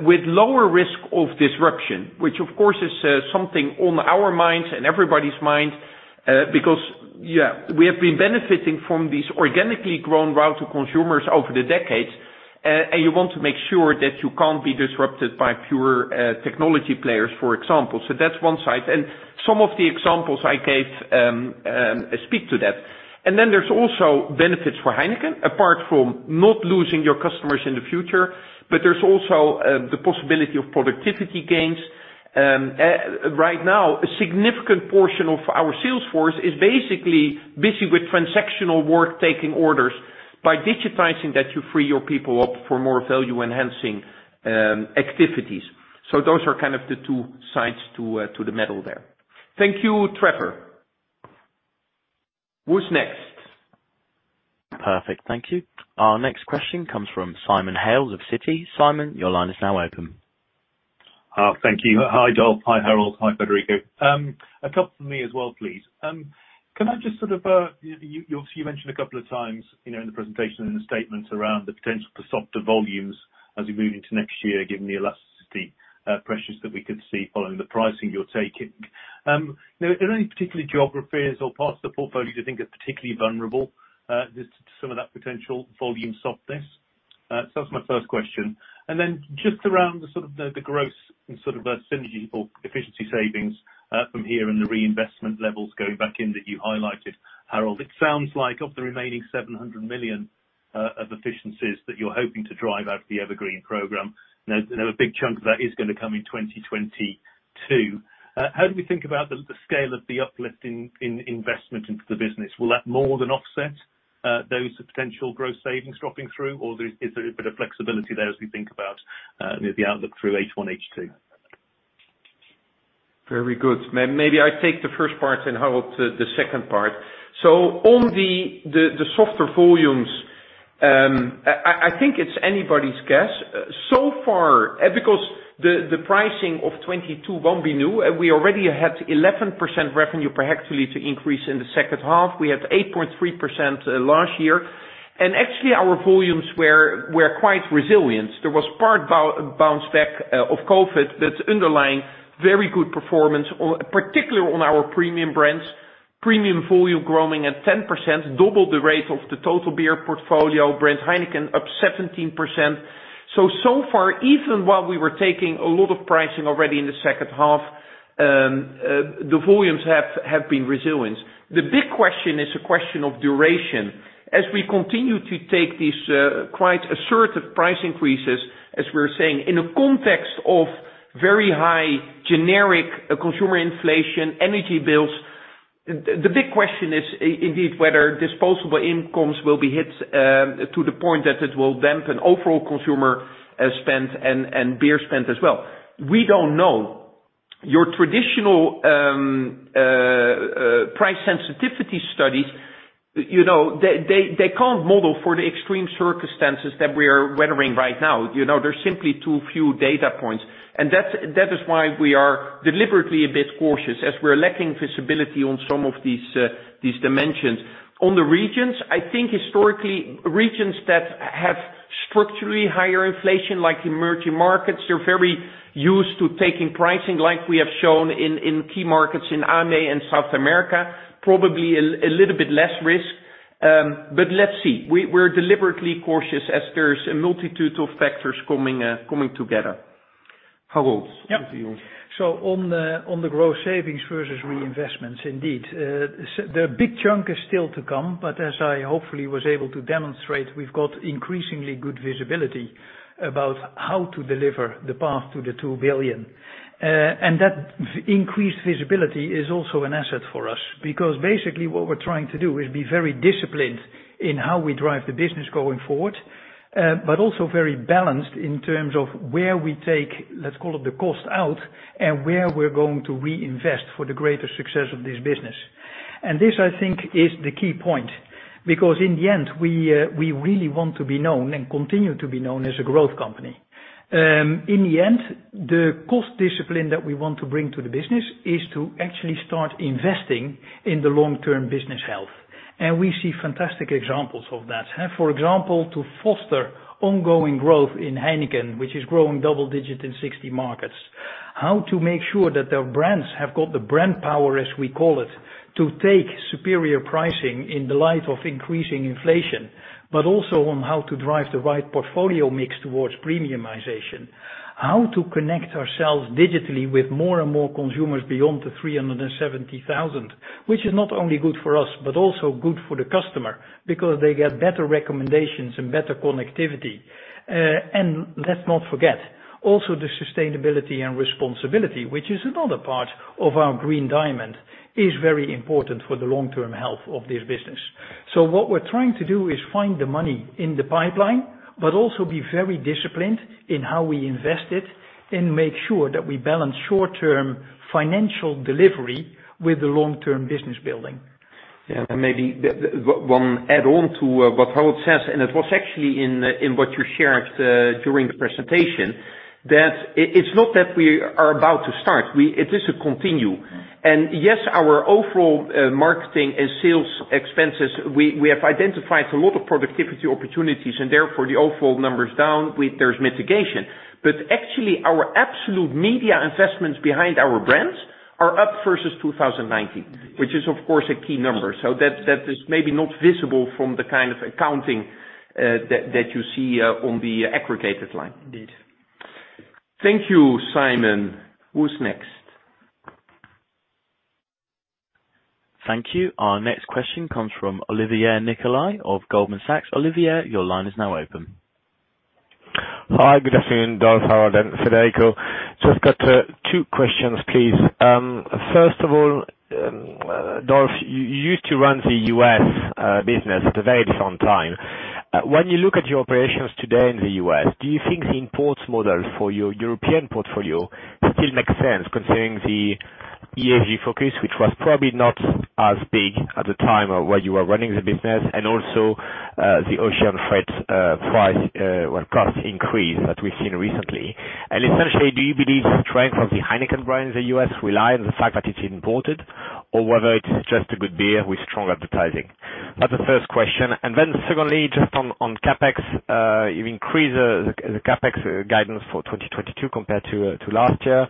with lower risk of disruption, which of course is something on our minds and everybody's mind, because yeah, we have been benefiting from this organically grown route to consumers over the decades. You want to make sure that you can't be disrupted by pure technology players, for example. So that's one side. Some of the examples I gave speak to that. Then there's also benefits for Heineken, apart from not losing your customers in the future, but there's also the possibility of productivity gains. Right now, a significant portion of our sales force is basically busy with transactional work, taking orders. By digitizing that, you free your people up for more value-enhancing activities. those are kind of the two sides to the middle there. Thank you, Trevor. Who's next? Perfect. Thank you. Our next question comes from Simon Hales of Citi. Simon, your line is now open. Thank you. Hi, Dolf. Hi, Harold. Hi, Federico. A couple from me as well, please. Can I just sort of you mentioned a couple of times, you know, in the presentation, in the statements around the potential for softer volumes as we move into next year, given the elasticity pressures that we could see following the pricing you're taking. Now, are there any particular geographies or parts of the portfolio you think are particularly vulnerable to some of that potential volume softness? That's my first question. Just around the growth and sort of synergy or efficiency savings from here and the reinvestment levels going back in that you highlighted, Harold. It sounds like of the remaining 700 million of efficiencies that you're hoping to drive out of the EverGreen program, now, you know, a big chunk of that is gonna come in 2022. How do we think about the scale of the uplift in investment into the business? Will that more than offset those potential growth savings dropping through? Or is there a bit of flexibility there as we think about, you know, the outlook through H1, H2? Very good. Maybe I take the first part and Harold the second part. On the softer volumes, I think it's anybody's guess. So far, because the pricing of 2022 won't be new, and we already had 11% revenue per hectoliter increase in the second half. We had 8.3% last year. Actually, our volumes were quite resilient. There was partial bounce back of COVID that's underlying very good performance, particularly on our premium brands. Premium volume growing at 10%, double the rate of the total beer portfolio. Brand Heineken up 17%. So far, even while we were taking a lot of pricing already in the second half, the volumes have been resilient. The big question is a question of duration. As we continue to take these quite assertive price increases, as we're saying, in a context of very high generic consumer inflation, energy bills, the big question is indeed whether disposable incomes will be hit to the point that it will dampen overall consumer spend, and beer spend as well. We don't know. Your traditional price sensitivity studies, you know, they can't model for the extreme circumstances that we are weathering right now. You know, there's simply too few data points, and that's why we are deliberately a bit cautious as we're lacking visibility on some of these dimensions. On the regions, I think historically, regions that have structurally higher inflation, like emerging markets, they're very used to taking pricing like we have shown in key markets in AME and South America, probably a little bit less risk. Let's see. We're deliberately cautious as there's a multitude of factors coming together. Harold, over to you. On the growth savings versus reinvestments, indeed, the big chunk is still to come, but as I hopefully was able to demonstrate, we've got increasingly good visibility about how to deliver the path to 2 billion. That increased visibility is also an asset for us, because basically what we're trying to do is be very disciplined in how we drive the business going forward, but also very balanced in terms of where we take, let's call it, the cost out and where we're going to reinvest for the greater success of this business. This, I think, is the key point, because in the end, we really want to be known and continue to be known as a growth company. In the end, the cost discipline that we want to bring to the business is to actually start investing in the long-term business health. We see fantastic examples of that. For example, to foster ongoing growth in Heineken, which is growing double-digit in 60 markets. How to make sure that their brands have got the brand power, as we call it, to take superior pricing in the light of increasing inflation, but also on how to drive the right portfolio mix towards premiumization. How to connect ourselves digitally with more and more consumers beyond the 300,000, which is not only good for us, but also good for the customer because they get better recommendations and better connectivity. Let's not forget, also, the sustainability and responsibility, which is another part of our Green Diamond, is very important for the long-term health of this business. What we're trying to do is find the money in the pipeline, but also be very disciplined in how we invest it and make sure that we balance short-term financial delivery with the long-term business building. Maybe one add on to what Harold says, and it was actually in what you shared during the presentation, that it's not that we are about to start, it is a continuation. Yes, our overall marketing and sales expenses, we have identified a lot of productivity opportunities, and therefore the overall number's down. There's mitigation. Actually our absolute media investments behind our brands are up versus 2019, which is of course a key number. That is maybe not visible from the kind of accounting that you see on the aggregated line. Indeed. Thank you, Simon. Who's next? Thank you. Our next question comes from Olivier Nicolai of Goldman Sachs. Olivier, your line is now open. Hi, good afternoon, Dolf, Harold, and Federico. Just got two questions, please. First of all, Dolf, you used to run the US business at a very different time. When you look at your operations today in the US, do you think the imports model for your European portfolio still makes sense considering the ESG focus, which was probably not as big at the time when you were running the business and also the ocean freight cost increase that we've seen recently? Essentially, do you believe the strength of the Heineken brand in the US rely on the fact that it's imported or whether it is just a good beer with strong advertising? That's the first question. Then secondly, just on CapEx, you've increased the CapEx guidance for 2022 compared to last year.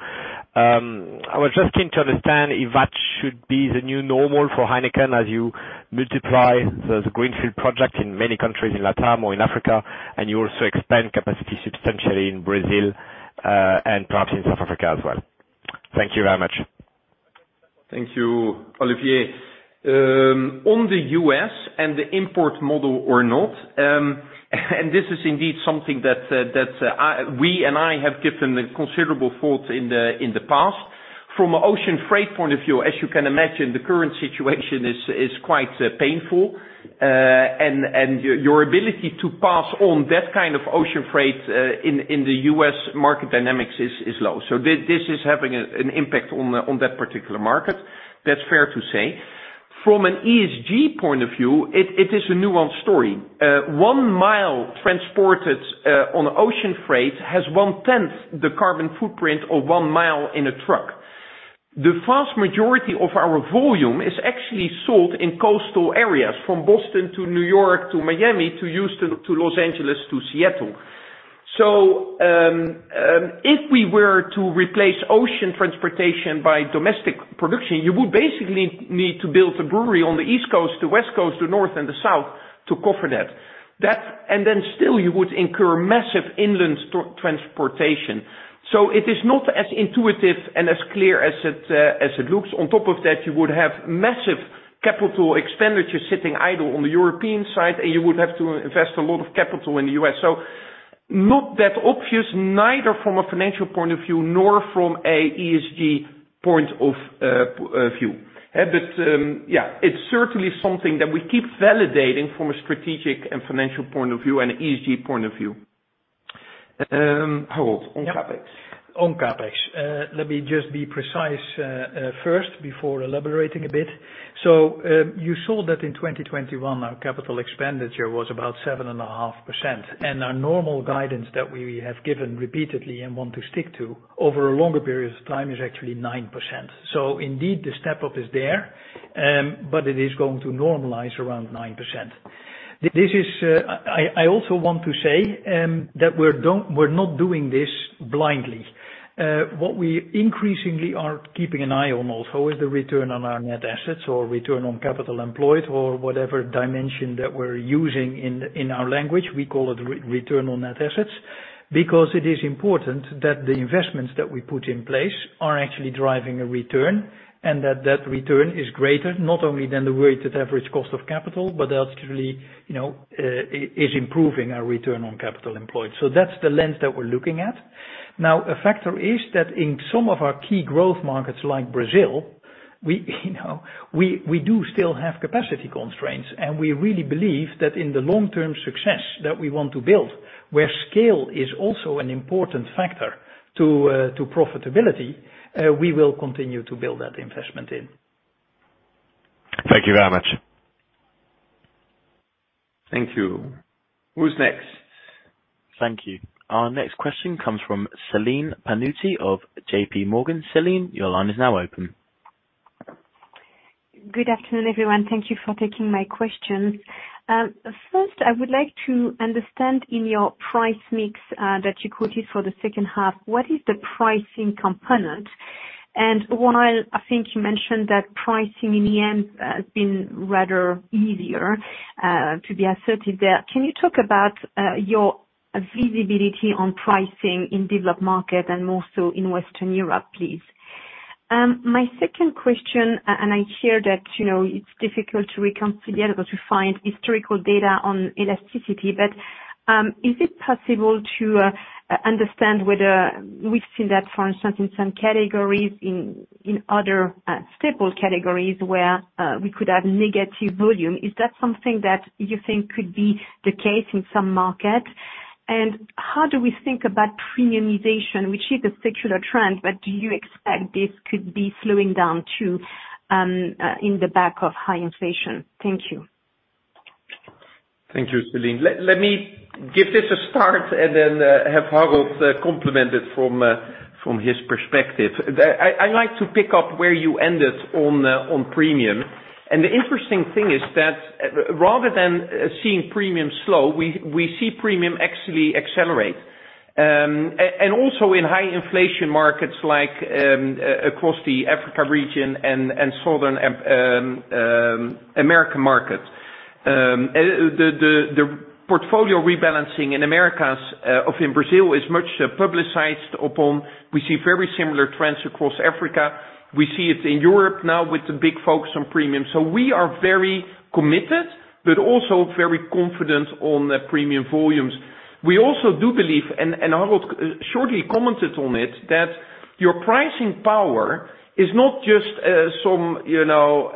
I was just keen to understand if that should be the new normal for Heineken as you multiply the Greenfield project in many countries in LatAm or in Africa, and you also expand capacity substantially in Brazil, and perhaps in South Africa as well. Thank you very much. Thank you, Olivier. On the US and the import model or not, this is indeed something that we and I have given considerable thought in the past. From an ocean freight point of view, as you can imagine, the current situation is quite painful. Your ability to pass on that kind of ocean freight in the US market dynamics is low. This is having an impact on that particular market. That's fair to say. From an ESG point of view, it is a nuanced story. One mile transported on ocean freight has one-tenth the carbon footprint of one mile in a truck. The vast majority of our volume is actually sold in coastal areas, from Boston to New York to Miami to Houston to Los Angeles to Seattle. If we were to replace ocean transportation by domestic production, you would basically need to build a brewery on the East Coast, the West Coast, the North, and the South to cover that. Then still you would incur massive inland transportation. It is not as intuitive and as clear as it looks. On top of that, you would have massive capital expenditures sitting idle on the European side, and you would have to invest a lot of capital in the US Not that obvious, neither from a financial point of view nor from an ESG point of view. Yeah, it's certainly something that we keep validating from a strategic and financial point of view and ESG point of view. Harold, on CapEx. On CapEx. Let me just be precise, first before elaborating a bit. You saw that in 2021, our capital expenditure was about 7.5%. Our normal guidance that we have given repeatedly and want to stick to over a longer period of time is actually 9%. Indeed, the step-up is there, but it is going to normalize around 9%. I also want to say that we're not doing this blindly. What we increasingly are keeping an eye on also is the return on our net assets or return on capital employed or whatever dimension that we're using in our language. We call it return on net assets because it is important that the investments that we put in place are actually driving a return and that that return is greater, not only than the weighted average cost of capital, but ultimately, you know, is improving our return on capital employed. That's the lens that we're looking at. Now, a factor is that in some of our key growth markets like Brazil, we, you know, do still have capacity constraints, and we really believe that in the long term success that we want to build, where scale is also an important factor to profitability, we will continue to build that investment in. Thank you very much. Thank you. Who's next? Thank you. Our next question comes from Celine Pannuti of JPMorgan. Celine, your line is now open. Good afternoon, everyone. Thank you for taking my questions. First I would like to understand in your price mix that you quoted for the second half, what is the pricing component? While I think you mentioned that pricing in the end has been rather easier to be asserted there, can you talk about your visibility on pricing in developed market and more so in Western Europe, please? My second question, and I hear that, you know, it's difficult to reconsider because we find historical data on elasticity, but is it possible to understand whether we've seen that, for instance, in some categories in other stable categories where we could have negative volume? Is that something that you think could be the case in some markets? How do we think about premiumization, which is a secular trend, but do you expect this could be slowing down too, in the back of high inflation? Thank you. Thank you, Celine. Let me give this a start and then have Harold complement it from his perspective. I like to pick up where you ended on premium. The interesting thing is that rather than seeing premium slow, we see premium actually accelerate and also in high inflation markets like across the Africa region and South American markets. The portfolio rebalancing in the Americas in Brazil is much publicized upon. We see very similar trends across Africa. We see it in Europe now with the big focus on premium. We are very committed, but also very confident on the premium volumes. We also do believe, and Harold shortly commented on it, that your pricing power is not just some, you know,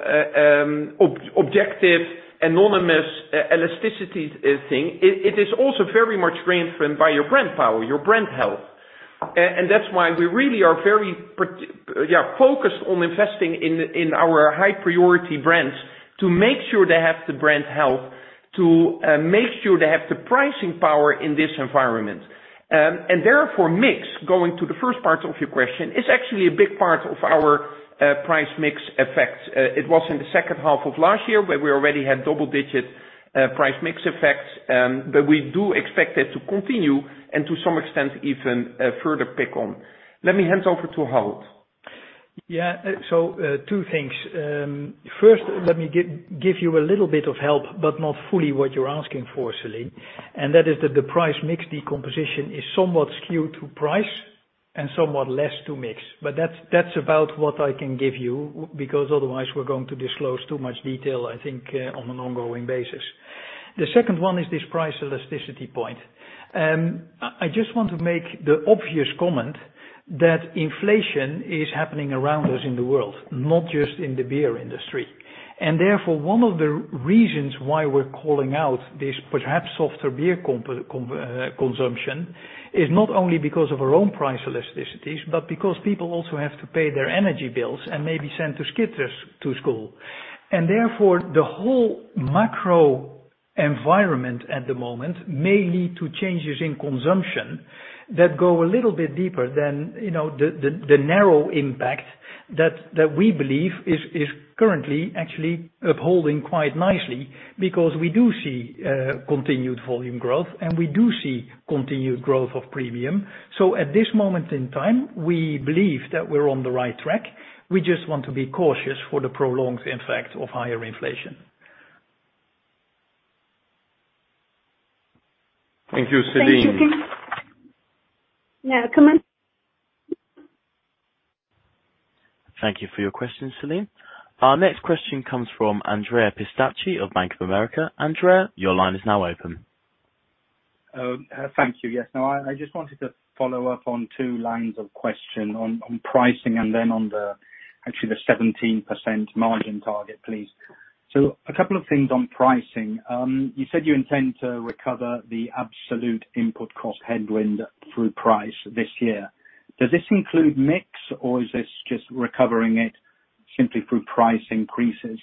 objective, anonymous elasticity thing. It is also very much reinforced by your brand power, your brand health. And that's why we really are very focused on investing in our high priority brands to make sure they have the brand health, to make sure they have the pricing power in this environment. And therefore, mix, going to the first part of your question, is actually a big part of our price mix effect. It was in the second half of last year where we already had double-digit price mix effects. But we do expect it to continue and to some extent, even further pick up. Let me hand over to Harold. Yeah. Two things. First, let me give you a little bit of help, but not fully what you're asking for, Celine, and that is that the price mix decomposition is somewhat skewed to price and somewhat less to mix, but that's about what I can give you, because otherwise we're going to disclose too much detail, I think, on an ongoing basis. The second one is this price elasticity point. I just want to make the obvious comment that inflation is happening around us in the world, not just in the beer industry. Therefore, one of the reasons why we're calling out this perhaps softer beer consumption is not only because of our own price elasticities, but because people also have to pay their energy bills and maybe send their kids to school. Therefore, the whole macro environment at the moment may lead to changes in consumption that go a little bit deeper than, you know, the narrow impact that we believe is currently actually holding quite nicely because we do see continued volume growth, and we do see continued growth of premium. At this moment in time, we believe that we're on the right track. We just want to be cautious for the prolonged impact of higher inflation. Thank you, Celine. Now come in. Thank you for your question, Celine. Our next question comes from Andrea Pistacchi of Bank of America. Andrea, your line is now open. Thank you. Yes. Now I just wanted to follow up on two lines of question on pricing and then on actually the 17% margin target, please. A couple of things on pricing. You said you intend to recover the absolute input cost headwind through price this year. Does this include mix or is this just recovering it simply through price increases?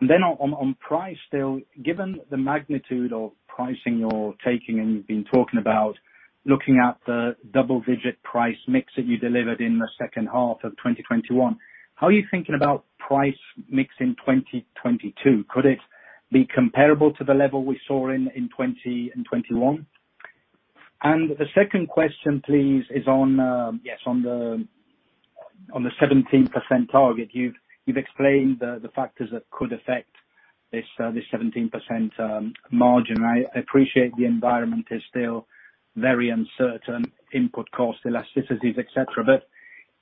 Then on price still, given the magnitude of pricing you're taking and you've been talking about looking at the double-digit price mix that you delivered in the second half of 2021, how are you thinking about price mix in 2022? Could it be comparable to the level we saw in 2020 and 2021? The second question please is on, yes, on the 17% target. You've explained the factors that could affect this 17% margin. I appreciate the environment is still very uncertain, input costs, elasticities, et cetera.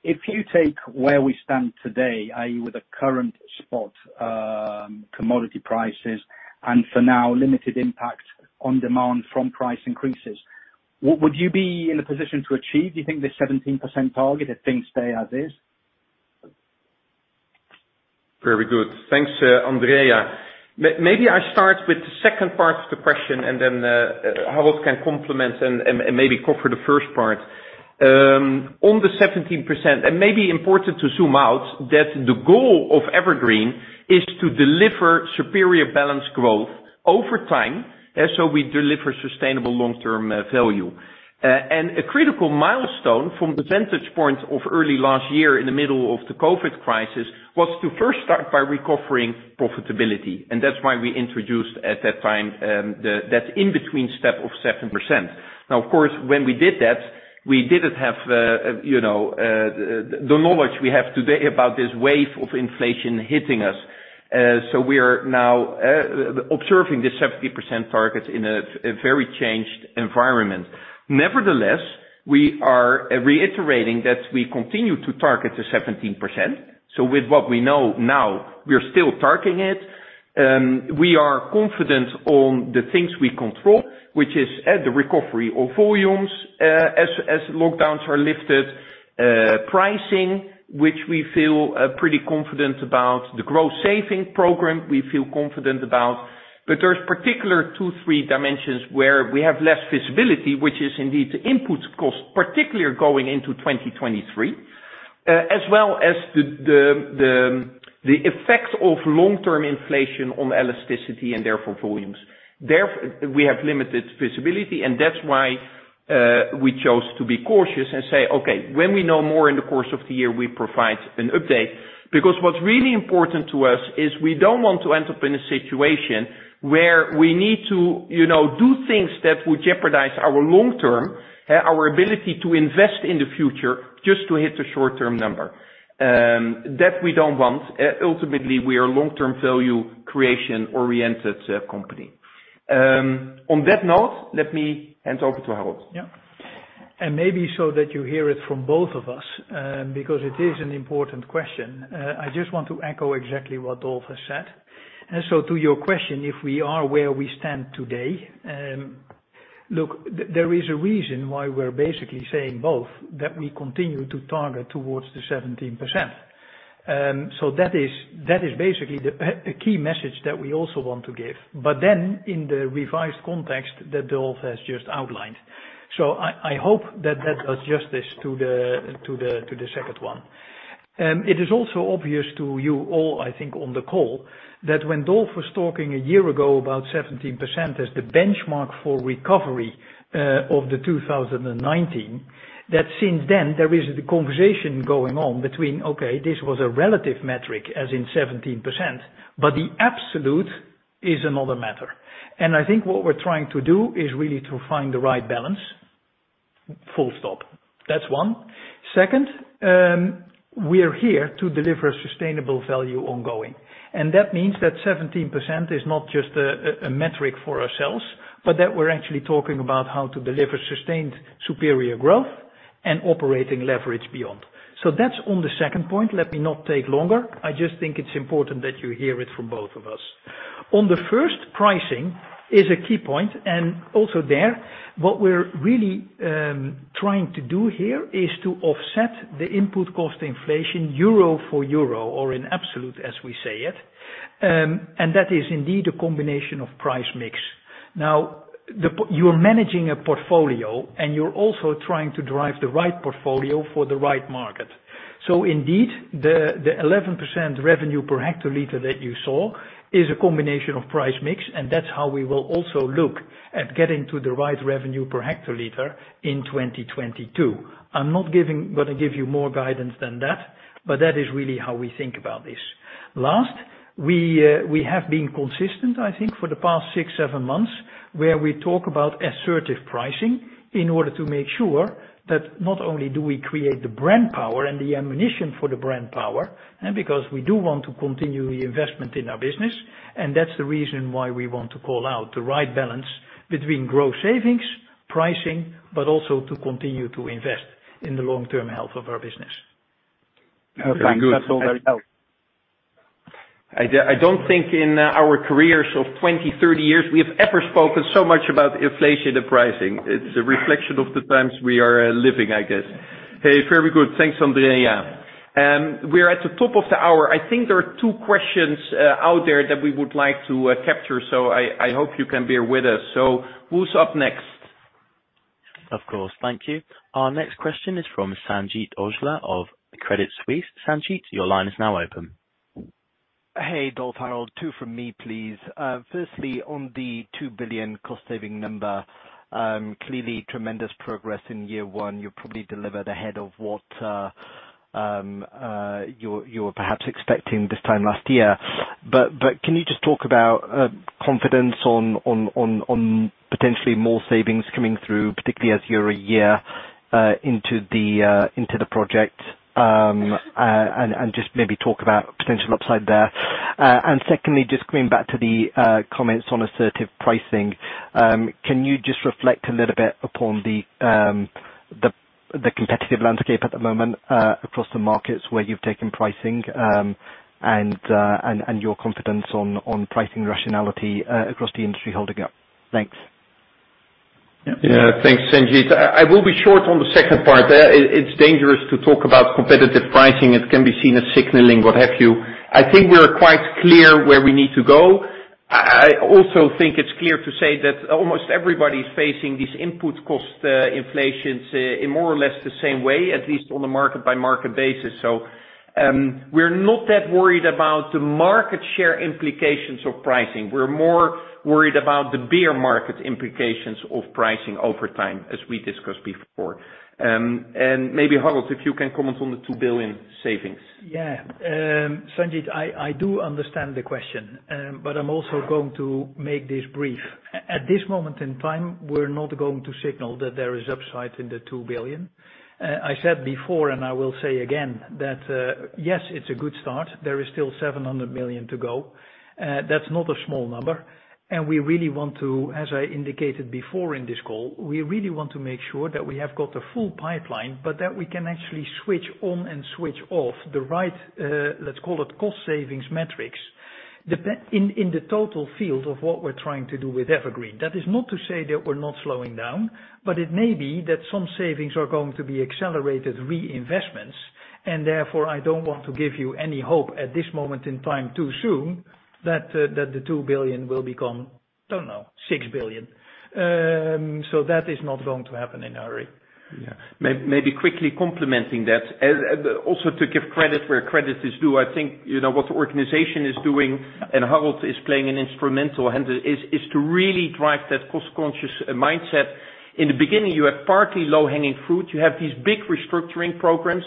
If you take where we stand today, i.e., with the current spot commodity prices, and for now, limited impact on demand from price increases, would you be in a position to achieve, you think, the 17% target if things stay as is? Very good. Thanks, Andrea. Maybe I start with the second part of the question and then Harold can complement and maybe cover the first part. On the 17%, it may be important to zoom out that the goal of Evergreen is to deliver superior balanced growth over time, and so we deliver sustainable long-term value. A critical milestone from the vantage point of early last year in the middle of the COVID crisis was to first start by recovering profitability. That's why we introduced at that time that in-between step of 7%. Now, of course, when we did that, we didn't have you know the knowledge we have today about this wave of inflation hitting us. We are now observing the 70% target in a very changed environment. Nevertheless, we are reiterating that we continue to target the 17%. With what we know now, we're still targeting it. We are confident on the things we control, which are the recovery of volumes as lockdowns are lifted, pricing, which we feel pretty confident about, and the growth saving program. There are in particular two or three dimensions where we have less visibility, which is indeed the input cost, particularly going into 2023, as well as the effects of long-term inflation on elasticity and therefore volumes. We have limited visibility, and that's why we chose to be cautious and say, "Okay, when we know more in the course of the year, we provide an update." Because what's really important to us is we don't want to end up in a situation where we need to, you know, do things that would jeopardize our long term, our ability to invest in the future just to hit a short-term number. That we don't want. Ultimately, we are a long-term value creation-oriented company. On that note, let me hand over to Harold. Yeah. Maybe so that you hear it from both of us, because it is an important question. I just want to echo exactly what Dolf has said. To your question, if we are where we stand today, look, there is a reason why we're basically saying both, that we continue to target towards the 17%. That is basically a key message that we also want to give in the revised context that Dolf has just outlined. I hope that that does justice to the second one. It is also obvious to you all, I think, on the call that when Dolf was talking a year ago about 17% as the benchmark for recovery of the 2019, that since then there is the conversation going on between, okay, this was a relative metric, as in 17%, but the absolute is another matter. I think what we're trying to do is really to find the right balance, full stop. That's one. Second, we are here to deliver sustainable value ongoing, and that means that 17% is not just a metric for ourselves, but that we're actually talking about how to deliver sustained superior growth and operating leverage beyond. That's on the second point. Let me not take longer. I just think it's important that you hear it from both of us. On the first, pricing is a key point, and also there, what we're really trying to do here is to offset the input cost inflation euro for euro or in absolute, as we say it. That is indeed a combination of price mix. Now, you're managing a portfolio, and you're also trying to drive the right portfolio for the right market. Indeed, the 11% revenue per hectoliter that you saw is a combination of price mix, and that's how we will also look at getting to the right revenue per hectoliter in 2022. I'm not gonna give you more guidance than that, but that is really how we think about this. Last, we have been consistent, I think, for the past six to seven months, where we talk about assertive pricing in order to make sure that not only do we create the brand power and the ammunition for the brand power, and because we do want to continue the investment in our business, and that's the reason why we want to call out the right balance between growth savings, pricing, but also to continue to invest in the long-term health of our business. [crosstalk] Thanks. That's all very helpful. I don't think in our careers of 20, 30 years we have ever spoken so much about inflation and pricing. It's a reflection of the times we are living, I guess. Hey, very good. Thanks, Andrea. We're at the top of the hour. I think there are two questions out there that we would like to capture, so I hope you can bear with us. Who's up next? Of course. Thank you. Our next question is from Sanjeet Aujla of Credit Suisse. Sanjeet, your line is now open. Hey, Dolf, Harold. Two from me, please. Firstly, on the 2 billion cost saving number, clearly tremendous progress in year one. You probably delivered ahead of what you were perhaps expecting this time last year. Can you just talk about confidence on potentially more savings coming through, particularly as you're a year into the project? And just maybe talk about potential upside there. And secondly, just coming back to the comments on assertive pricing, can you just reflect a little bit upon the competitive landscape at the moment, across the markets where you've taken pricing, and your confidence on pricing rationality across the industry holding up? Thanks. Yeah. Yeah. Thanks, Sanjeet. I will be short on the second part. It's dangerous to talk about competitive pricing. It can be seen as signaling, what have you. I think we are quite clear where we need to go. I also think it's clear to say that almost everybody's facing these input cost inflations in more or less the same way, at least on a market-by-market basis. We're not that worried about the market share implications of pricing. We're more worried about the beer market implications of pricing over time, as we discussed before. Maybe, Harold, if you can comment on the 2 billion savings. Yeah. Sanjit, I do understand the question, but I'm also going to make this brief. At this moment in time, we're not going to signal that there is upside in the 2 billion. I said before and I will say again that, yes, it's a good start. There is still 700 million to go. That's not a small number. We really want to, as I indicated before in this call, we really want to make sure that we have got a full pipeline, but that we can actually switch on and switch off the right, let's call it cost savings metrics, in the total field of what we're trying to do with EverGreen. That is not to say that we're not slowing down, but it may be that some savings are going to be accelerated reinvestments, and therefore, I don't want to give you any hope at this moment in time too soon that the 2 billion will become, don't know, 6 billion. That is not going to happen in our Maybe quickly complementing that, also to give credit where credit is due, I think, you know, what the organization is doing, and Harold is playing an instrumental hand, is to really drive that cost-conscious mindset. In the beginning, you have partly low-hanging fruit. You have these big restructuring programs.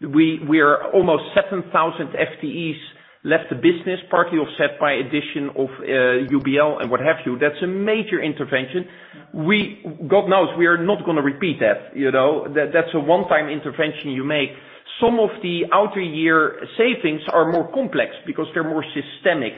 We are almost 7,000 FTEs left the business, partly offset by addition of UBL and what have you. That's a major intervention. God knows, we are not gonna repeat that, you know. That's a one-time intervention you make. Some of the outer year savings are more complex because they're more systemic,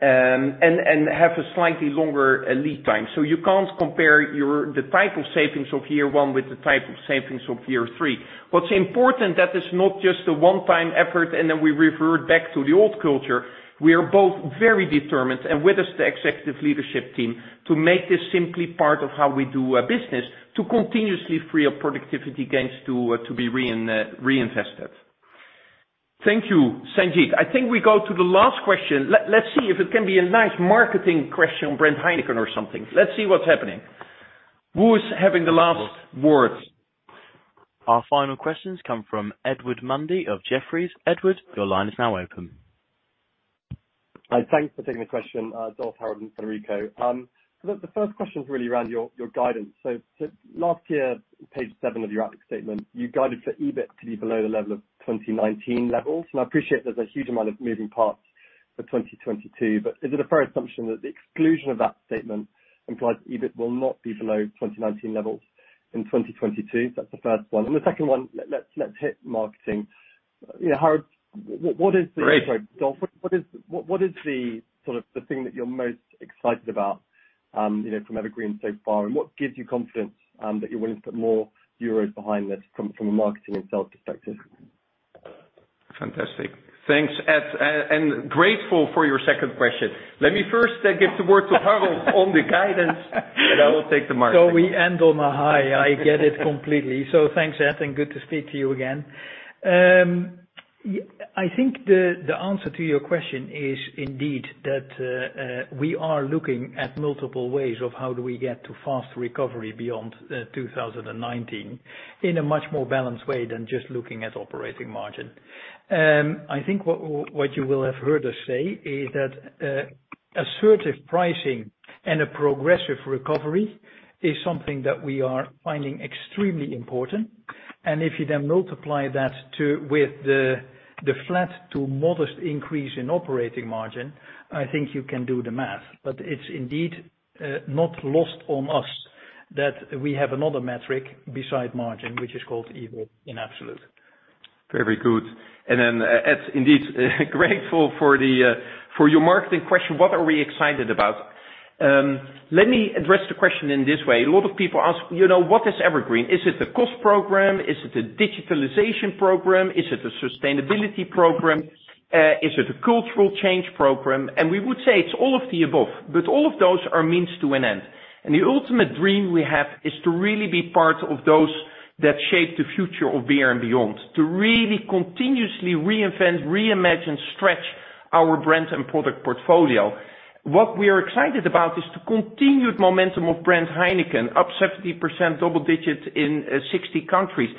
and have a slightly longer lead time. You can't compare the type of savings of year one with the type of savings of year three. What's important, that is not just a one-time effort, and then we revert back to the old culture. We are both very determined, and with us, the executive leadership team, to make this simply part of how we do business to continuously free up productivity gains to be reinvested. Thank you, Sanjeet. I think we go to the last question. Let's see if it can be a nice marketing question on brand Heineken or something. Let's see what's happening. Who is having the last words? Our final questions come from Edward Mundy of Jefferies. Edward, your line is now open. Thanks for taking the question, Dolf, Harold, and Federico. The first question is really around your guidance. Last year, page seven of your outlook statement, you guided for EBIT to be below the level of 2019 levels. I appreciate there's a huge amount of moving parts for 2022, but is it a fair assumption that the exclusion of that statement implies EBIT will not be below 2019 levels in 2022? That's the first one. The second one, let's hit marketing. You know, Harold, what is the- Great. Sorry, Dolf. What is the sort of thing that you're most excited about, you know, from EverGreen so far? What gives you confidence that you're willing to put more euros behind this from a marketing and sales perspective? Fantastic. Thanks, Ed. Grateful for your second question. Let me first give the word to Harold on the guidance, and I will take the market. We end on a high. I get it completely. Thanks, Ed and good to speak to you again. I think the answer to your question is indeed that we are looking at multiple ways of how do we get to fast recovery beyond 2019 in a much more balanced way than just looking at operating margin. I think what you will have heard us say is that assertive pricing and a progressive recovery is something that we are finding extremely important. If you then multiply that with the flat to modest increase in operating margin, I think you can do the math. It's indeed not lost on us that we have another metric besides margin, which is called EBIT in absolute. Very good. Then, Ed, indeed, grateful for your marketing question, what are we excited about? Let me address the question in this way. A lot of people ask, you know, what is Evergreen? Is it a cost program? Is it a digitalization program? Is it a sustainability program? Is it a cultural change program? We would say it's all of the above, but all of those are means to an end. The ultimate dream we have is to really be part of those that shape the future of beer and beyond. To really continuously reinvent, reimagine, stretch our brand and product portfolio. What we are excited about is the continued momentum of brand Heineken, up 70%, double digits in 60 countries.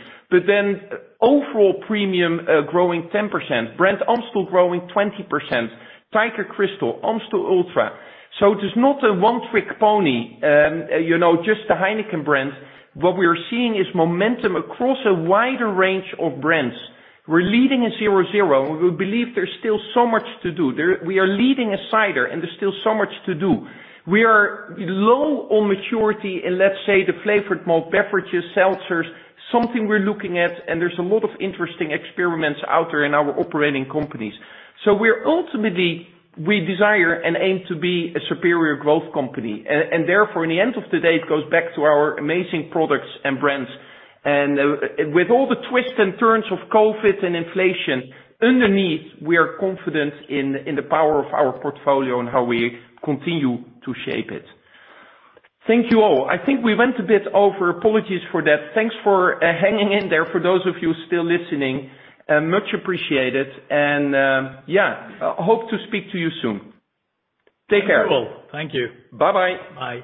Overall premium, growing 10%. Brand Amstel growing 20%. Tiger Crystal, Amstel Ultra. It is not a one trick pony, you know, just the Heineken brand. What we are seeing is momentum across a wider range of brands. We're leading in 0.0, and we believe there's still so much to do. We are leading in cider, and there's still so much to do. We are low on maturity in, let's say, the flavored malt beverages, seltzers, something we're looking at, and there's a lot of interesting experiments out there in our operating companies. We're ultimately, we desire and aim to be a superior growth company. Therefore, in the end of the day, it goes back to our amazing products and brands. With all the twists and turns of COVID and inflation, underneath, we are confident in the power of our portfolio and how we continue to shape it. Thank you all. I think we went a bit over, apologies for that. Thanks for hanging in there for those of you still listening. Much appreciated. Yeah, hope to speak to you soon. Take care. Thank you all. Thank you. Bye-bye. Bye.